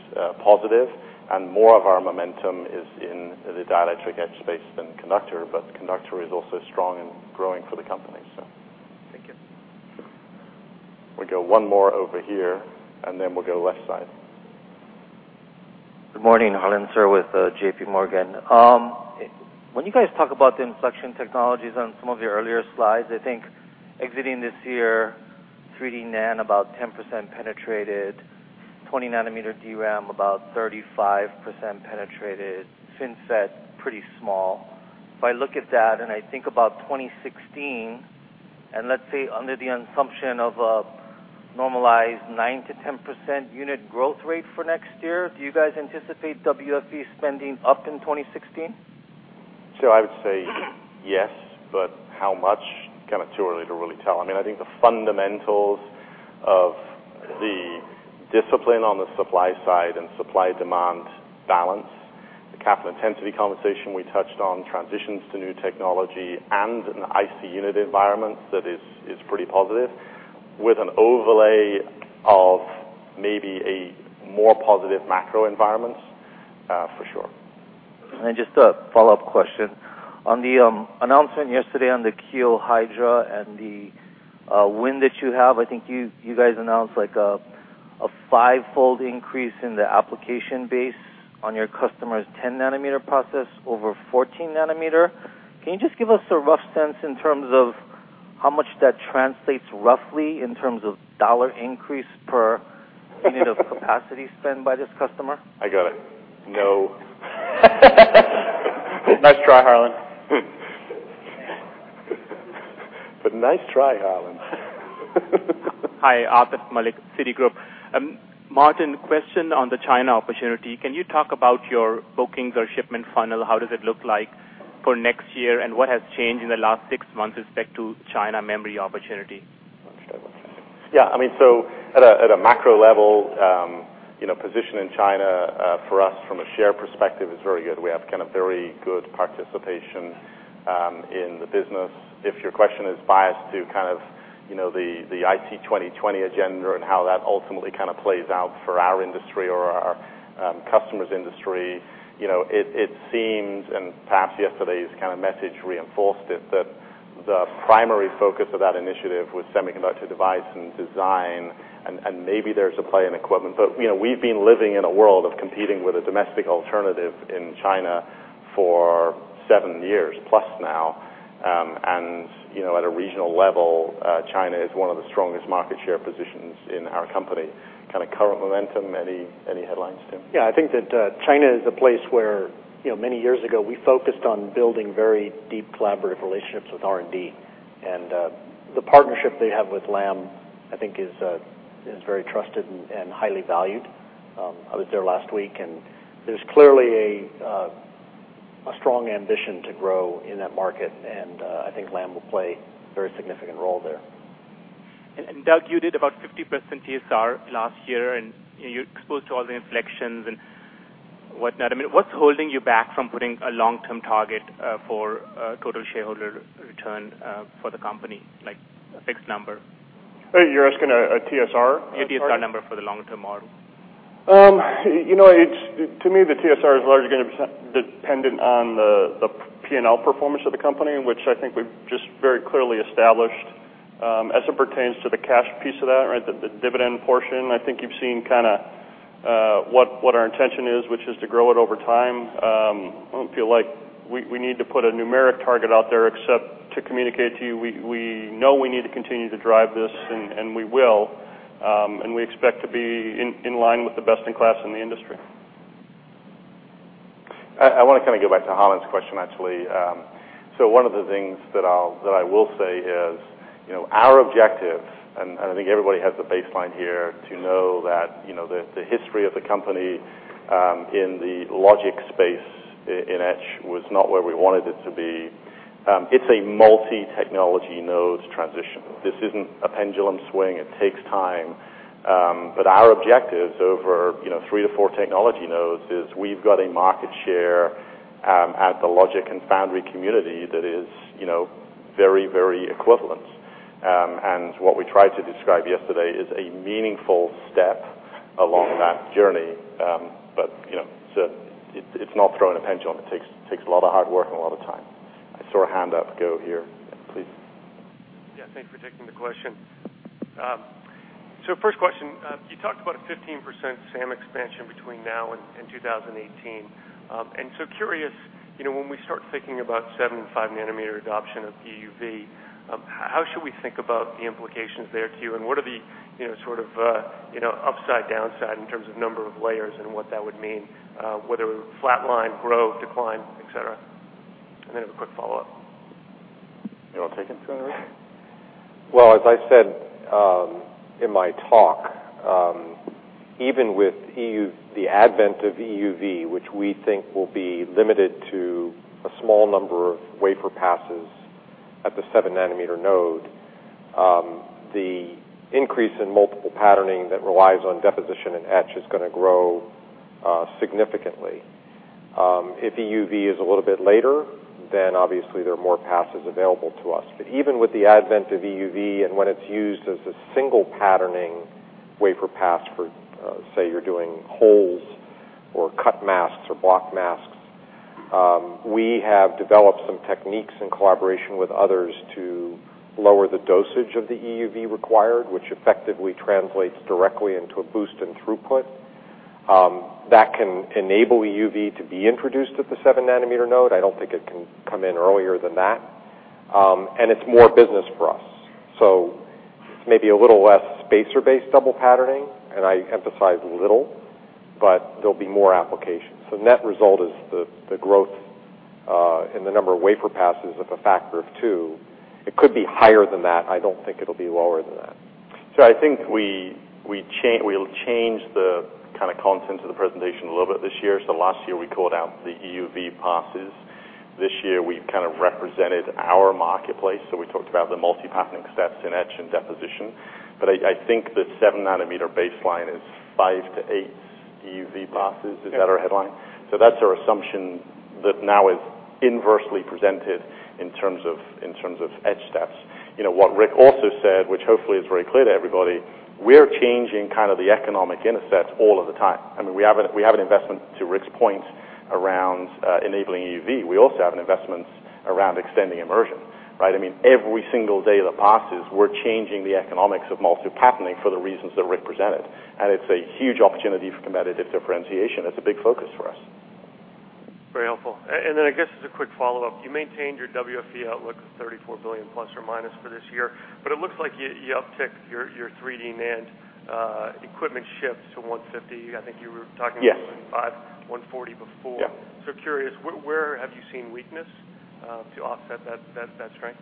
positive, and more of our momentum is in the dielectric etch space than conductor, but conductor is also strong and growing for the company, so. Thank you. We'll go one more over here, and then we'll go left side. Good morning, Harlan Sur with J.P. Morgan. When you guys talk about the inflection technologies on some of your earlier slides, I think exiting this year, 3D NAND about 10% penetrated, 20 nanometer DRAM about 35% penetrated, FinFET, pretty small. If I look at that and I think about 2016, let's say under the assumption of a normalized 9%-10% unit growth rate for next year, do you guys anticipate WFE spending up in 2016? I would say yes, but how much, kind of too early to really tell. I think the fundamentals of the discipline on the supply side and supply-demand balance, the capital intensity conversation we touched on, transitions to new technology, and an IC unit environment that is pretty positive, with an overlay of maybe a more positive macro environment, for sure. Just a follow-up question. On the announcement yesterday on the Kiyo Hydra and the win that you have, I think you guys announced a fivefold increase in the application base on your customer's 10 nanometer process over 14 nanometer. Can you just give us a rough sense in terms of how much that translates roughly in terms of dollar increase per unit of capacity spend by this customer? I got it. No. Nice try, Harlan. Nice try, Harlan. Hi, Atif Malik, Citigroup. Martin, question on the China opportunity. Can you talk about your bookings or shipment funnel? How does it look like for next year, and what has changed in the last six months with respect to China memory opportunity? Yeah. At a macro level, position in China, for us, from a share perspective, is very good. We have very good participation in the business. If your question is biased to the IC 2020 agenda and how that ultimately plays out for our industry or our customers' industry, it seems, and perhaps yesterday's message reinforced it, that the primary focus of that initiative was semiconductor device and design, and maybe there's a play in equipment. We've been living in a world of competing with a domestic alternative in China for seven years plus now. At a regional level, China is one of the strongest market share positions in our company. Kind of current momentum, any headlines, Tim? I think that China is a place where many years ago, we focused on building very deep collaborative relationships with R&D. The partnership they have with Lam, I think is very trusted and highly valued. I was there last week, there's clearly a strong ambition to grow in that market, I think Lam will play a very significant role there. Doug, you did about 50% TSR last year, you're exposed to all the inflections and whatnot. What's holding you back from putting a long-term target for total shareholder return for the company, like a fixed number? You're asking a TSR target? A TSR number for the longer term model. To me, the TSR is largely going to be dependent on the P&L performance of the company, which I think we've just very clearly established. As it pertains to the cash piece of that, the dividend portion, I think you've seen what our intention is, which is to grow it over time. I don't feel like we need to put a numeric target out there except to communicate to you, we know we need to continue to drive this, and we will, and we expect to be in line with the best in class in the industry. I want to go back to Harlan's question, actually. One of the things that I will say is our objective, and I think everybody has the baseline here to know that the history of the company in the logic space in etch was not where we wanted it to be. It's a multi-technology nodes transition. This isn't a pendulum swing. It takes time. Our objectives over three to four technology nodes is we've got a market share at the logic and foundry community that is very equivalent. What we tried to describe yesterday is a meaningful step along that journey. It's not throwing a pendulum. It takes a lot of hard work and a lot of time. I saw a hand up. Go here, please. Thanks for taking the question. First question, you talked about a 15% SAM expansion between now and 2018. Curious, when we start thinking about seven and five nanometer adoption of EUV, how should we think about the implications there to you? What are the upside downside in terms of number of layers and what that would mean, whether it was flat line, growth, decline, et cetera? Then I have a quick follow-up. You want to take it, Rick? As I said in my talk, even with the advent of EUV, which we think will be limited to a small number of wafer passes at the seven nanometer node, the increase in multiple patterning that relies on deposition and etch is going to grow significantly. If EUV is a little bit later, obviously there are more passes available to us. Even with the advent of EUV and when it's used as a single patterning wafer pass for, say, you're doing holes or cut masks or block masks, we have developed some techniques in collaboration with others to lower the dosage of the EUV required, which effectively translates directly into a boost in throughput. That can enable EUV to be introduced at the seven nanometer node. I don't think it can come in earlier than that. It's more business for us. It's maybe a little less spacer-based double patterning, and I emphasize little, but there'll be more applications. Net result is the growth in the number of wafer passes of a factor of two. It could be higher than that. I don't think it'll be lower than that. I think we'll change the kind of content of the presentation a little bit this year. Last year, we called out the EUV passes. This year, we kind of represented our marketplace, so we talked about the multi-patterning steps in etch and deposition. I think the seven nanometer baseline is five to eight EUV passes. Is that our headline? Yeah. That's our assumption that now is inversely presented in terms of etch steps. What Rick also said, which hopefully is very clear to everybody, we're changing kind of the economic intercepts all of the time. We have an investment, to Rick's point, around enabling EUV. We also have investments around extending immersion, right? Every single day that passes, we're changing the economics of multi-patterning for the reasons that Rick presented, it's a huge opportunity for competitive differentiation. It's a big focus for us. Very helpful. I guess as a quick follow-up, you maintained your WFE outlook of $34 billion ± for this year, but it looks like you upticked your 3D NAND equipment ships to 150. I think you were talking- Yes about 140 before. Yeah. Curious, where have you seen weakness to offset that strength?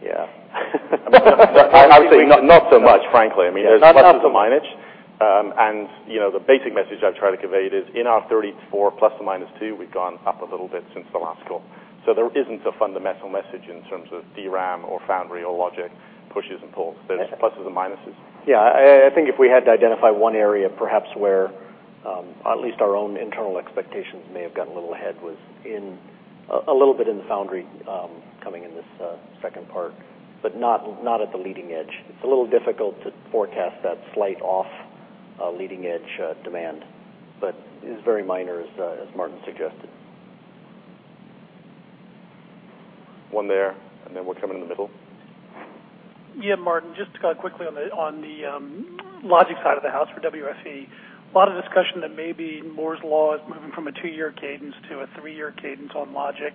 Yeah. I would say not so much, frankly. There's pluses and minus, and the basic message I've tried to convey is in our 34 ± 2, we've gone up a little bit since the last call. There isn't a fundamental message in terms of DRAM or foundry or logic pushes and pulls. There's pluses and minuses. I think if we had to identify one area, perhaps where at least our own internal expectations may have gotten a little ahead, was a little bit in the foundry coming in this second part, but not at the leading edge. It's a little difficult to forecast that slight off leading-edge demand, but it is very minor, as Martin suggested. One there, we're coming in the middle. Martin, just kind of quickly on the logic side of the house for WFE. A lot of discussion that maybe Moore's Law is moving from a two-year cadence to a three-year cadence on logic.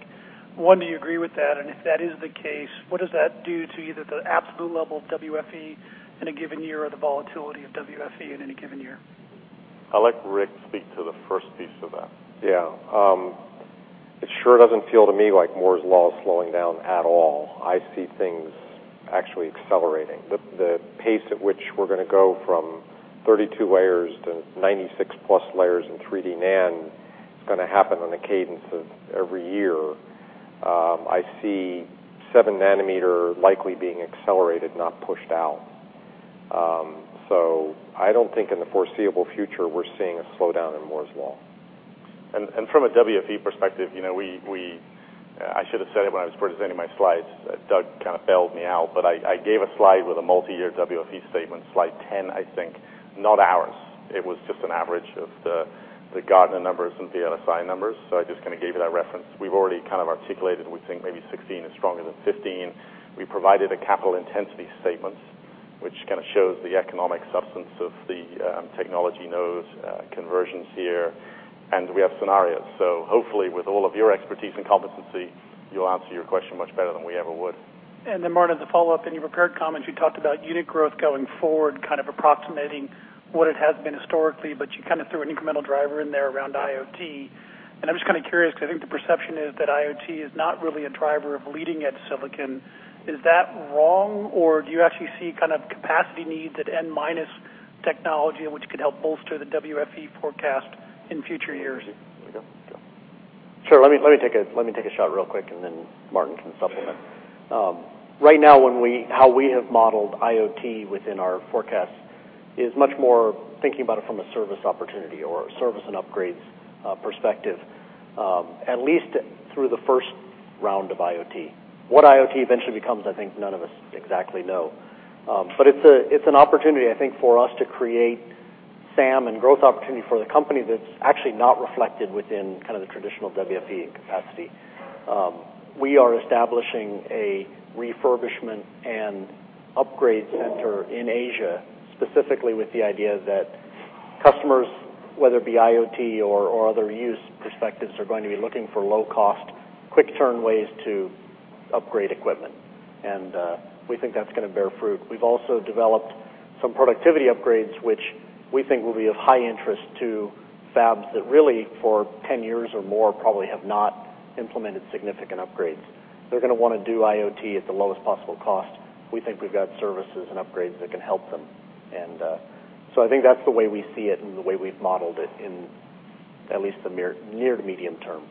One, do you agree with that? If that is the case, what does that do to either the absolute level of WFE in a given year or the volatility of WFE in any given year? I'll let Rick speak to the first piece of that. Yeah. It sure doesn't feel to me like Moore's Law is slowing down at all. I see things actually accelerating. The pace at which we're going to go from 32 layers to 96 plus layers in 3D NAND is going to happen on a cadence of every year. I see seven nanometer likely being accelerated, not pushed out. I don't think in the foreseeable future we're seeing a slowdown in Moore's Law. From a WFE perspective, I should have said it when I was presenting my slides. Doug kind of bailed me out, but I gave a slide with a multi-year WFE statement, slide 10, I think. Not ours. It was just an average of the Gartner numbers and VLSI numbers. I just kind of gave you that reference. We've already kind of articulated, we think maybe 2016 is stronger than 2015. We provided a capital intensity statement, which kind of shows the economic substance of the technology nodes, conversions here, and we have scenarios. Hopefully with all of your expertise and competency, you'll answer your question much better than we ever would. Martin, as a follow-up, in your prepared comments, you talked about unit growth going forward, kind of approximating what it has been historically, but you kind of threw an incremental driver in there around IoT, and I'm just kind of curious because I think the perception is that IoT is not really a driver of leading-edge silicon. Is that wrong, or do you actually see kind of capacity needs at N minus technology which could help bolster the WFE forecast in future years? Here we go. Yeah. Sure. Let me take a shot real quick, then Martin can supplement. Right now, how we have modeled IoT within our forecast is much more thinking about it from a service opportunity or a service and upgrades perspective. At least through the first round of IoT. What IoT eventually becomes, I think none of us exactly know. It's an opportunity, I think, for us to create SAM and growth opportunity for the company that's actually not reflected within kind of the traditional WFE capacity. We are establishing a refurbishment and upgrade center in Asia, specifically with the idea that customers, whether it be IoT or other use perspectives, are going to be looking for low-cost, quick turn ways to upgrade equipment. We think that's going to bear fruit. We've also developed some productivity upgrades, which we think will be of high interest to fabs that really, for 10 years or more probably, have not implemented significant upgrades. They're going to want to do IoT at the lowest possible cost. We think we've got services and upgrades that can help them. I think that's the way we see it and the way we've modeled it in at least the near to medium term.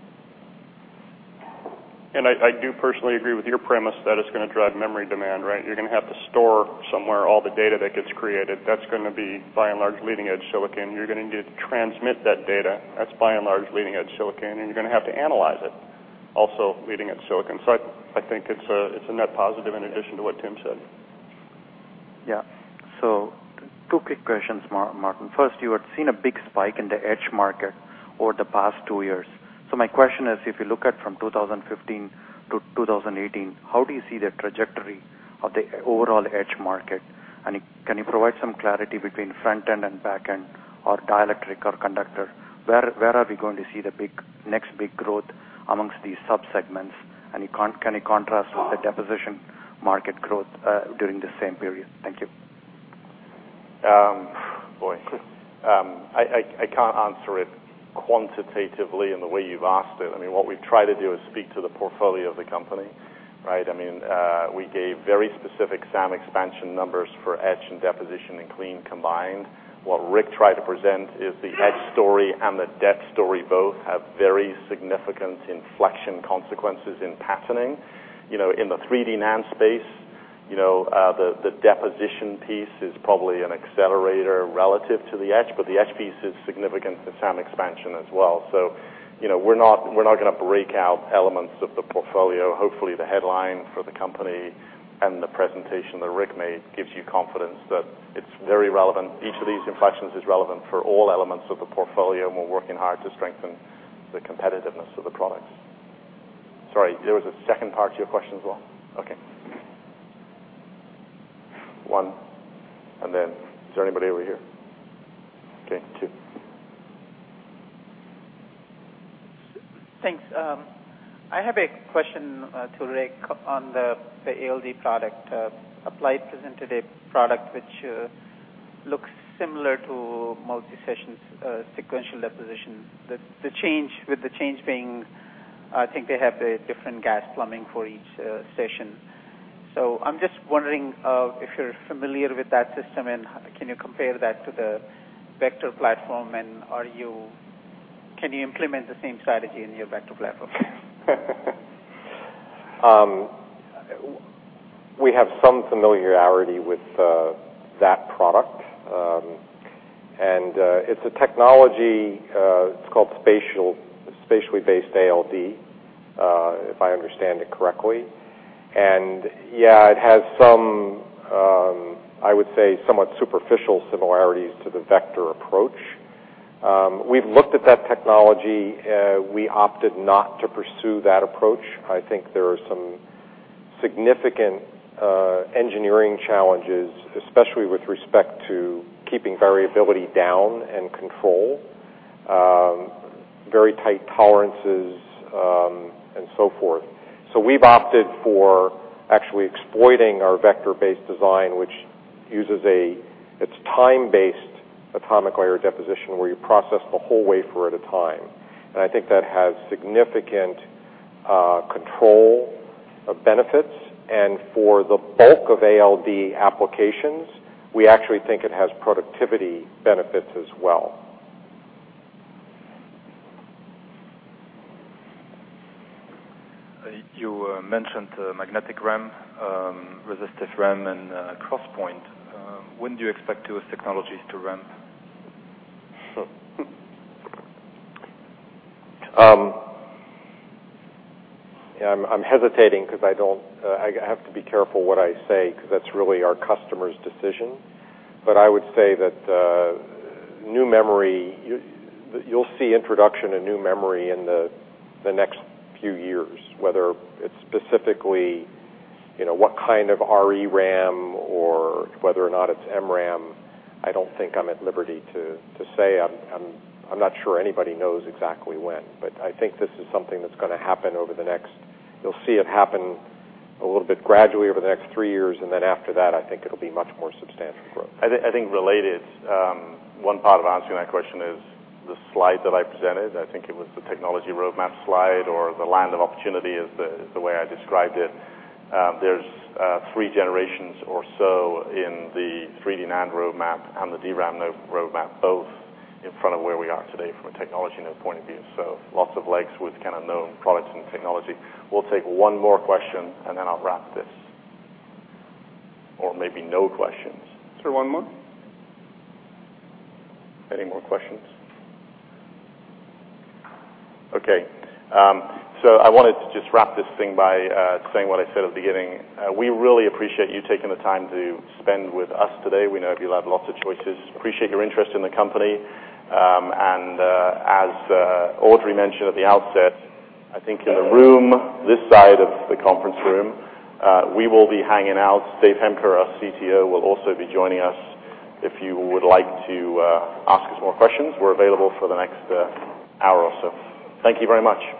I do personally agree with your premise that it's going to drive memory demand, right? You're going to have to store somewhere all the data that gets created. That's going to be by and large leading-edge silicon. You're going to transmit that data. That's by and large leading-edge silicon. You're going to have to analyze it, also leading-edge silicon. I think it's a net positive in addition to what Tim said. Yeah. Two quick questions, Martin. First, you had seen a big spike in the etch market over the past two years. My question is, if you look at from 2015 to 2018, how do you see the trajectory of the overall etch market? Can you provide some clarity between front-end and back-end or dielectric or conductor? Where are we going to see the next big growth amongst these sub-segments? Can you contrast with the deposition market growth during the same period? Thank you. Boy. I can't answer it quantitatively in the way you've asked it. What we've tried to do is speak to the portfolio of the company, right? We gave very specific SAM expansion numbers for etch and deposition and clean combined. What Rick tried to present is the etch story and the dep story both have very significant inflection consequences in patterning. In the 3D NAND space, the deposition piece is probably an accelerator relative to the etch, but the etch piece is significant to SAM expansion as well. We're not going to break out elements of the portfolio. Hopefully, the headline for the company and the presentation that Rick made gives you confidence that it's very relevant. Each of these inflections is relevant for all elements of the portfolio, and we're working hard to strengthen the competitiveness of the products. Sorry, there was a second part to your question as well. Okay. One, is there anybody over here? Okay, two. Thanks. I have a question to Rick on the ALD product. Applied presented a product which looks similar to multi-sessions sequential deposition. With the change being, I think they have a different gas plumbing for each session. I'm just wondering if you're familiar with that system, can you compare that to the Vector platform, and can you implement the same strategy in your Vector platform? We have some familiarity with that product. It's a technology, it's called spatially based ALD, if I understand it correctly. Yeah, it has some, I would say, somewhat superficial similarities to the vector approach. We've looked at that technology. We opted not to pursue that approach. I think there are some significant engineering challenges, especially with respect to keeping variability down and control, very tight tolerances, and so forth. We've opted for actually exploiting our vector-based design, which uses a time-based atomic layer deposition where you process the whole wafer at a time. I think that has significant control benefits, and for the bulk of ALD applications, we actually think it has productivity benefits as well. You mentioned magnetic RAM, resistive RAM, and Crosspoint. When do you expect those technologies to ramp? I'm hesitating because I have to be careful what I say because that's really our customer's decision. I would say that you'll see introduction of new memory in the next few years, whether it's specifically what kind of ReRAM or whether or not it's MRAM, I don't think I'm at liberty to say. I'm not sure anybody knows exactly when, but I think this is something that's going to happen. You'll see it happen a little bit gradually over the next three years, after that, I think it'll be much more substantial growth. I think related, one part of answering that question is the slide that I presented. I think it was the technology roadmap slide or the land of opportunity is the way I described it. There's three generations or so in the 3D NAND roadmap and the DRAM roadmap, both in front of where we are today from a technology node point of view. Lots of legs with kind of known products and technology. We'll take one more question, I'll wrap this. Maybe no questions. Is there one more? Any more questions? Okay. I wanted to just wrap this thing by saying what I said at the beginning. We really appreciate you taking the time to spend with us today. We know you have lots of choices. Appreciate your interest in the company. As Audrey mentioned at the outset, I think in the room, this side of the conference room, we will be hanging out. Dave Hemker, our CTO, will also be joining us if you would like to ask us more questions. We're available for the next hour or so. Thank you very much.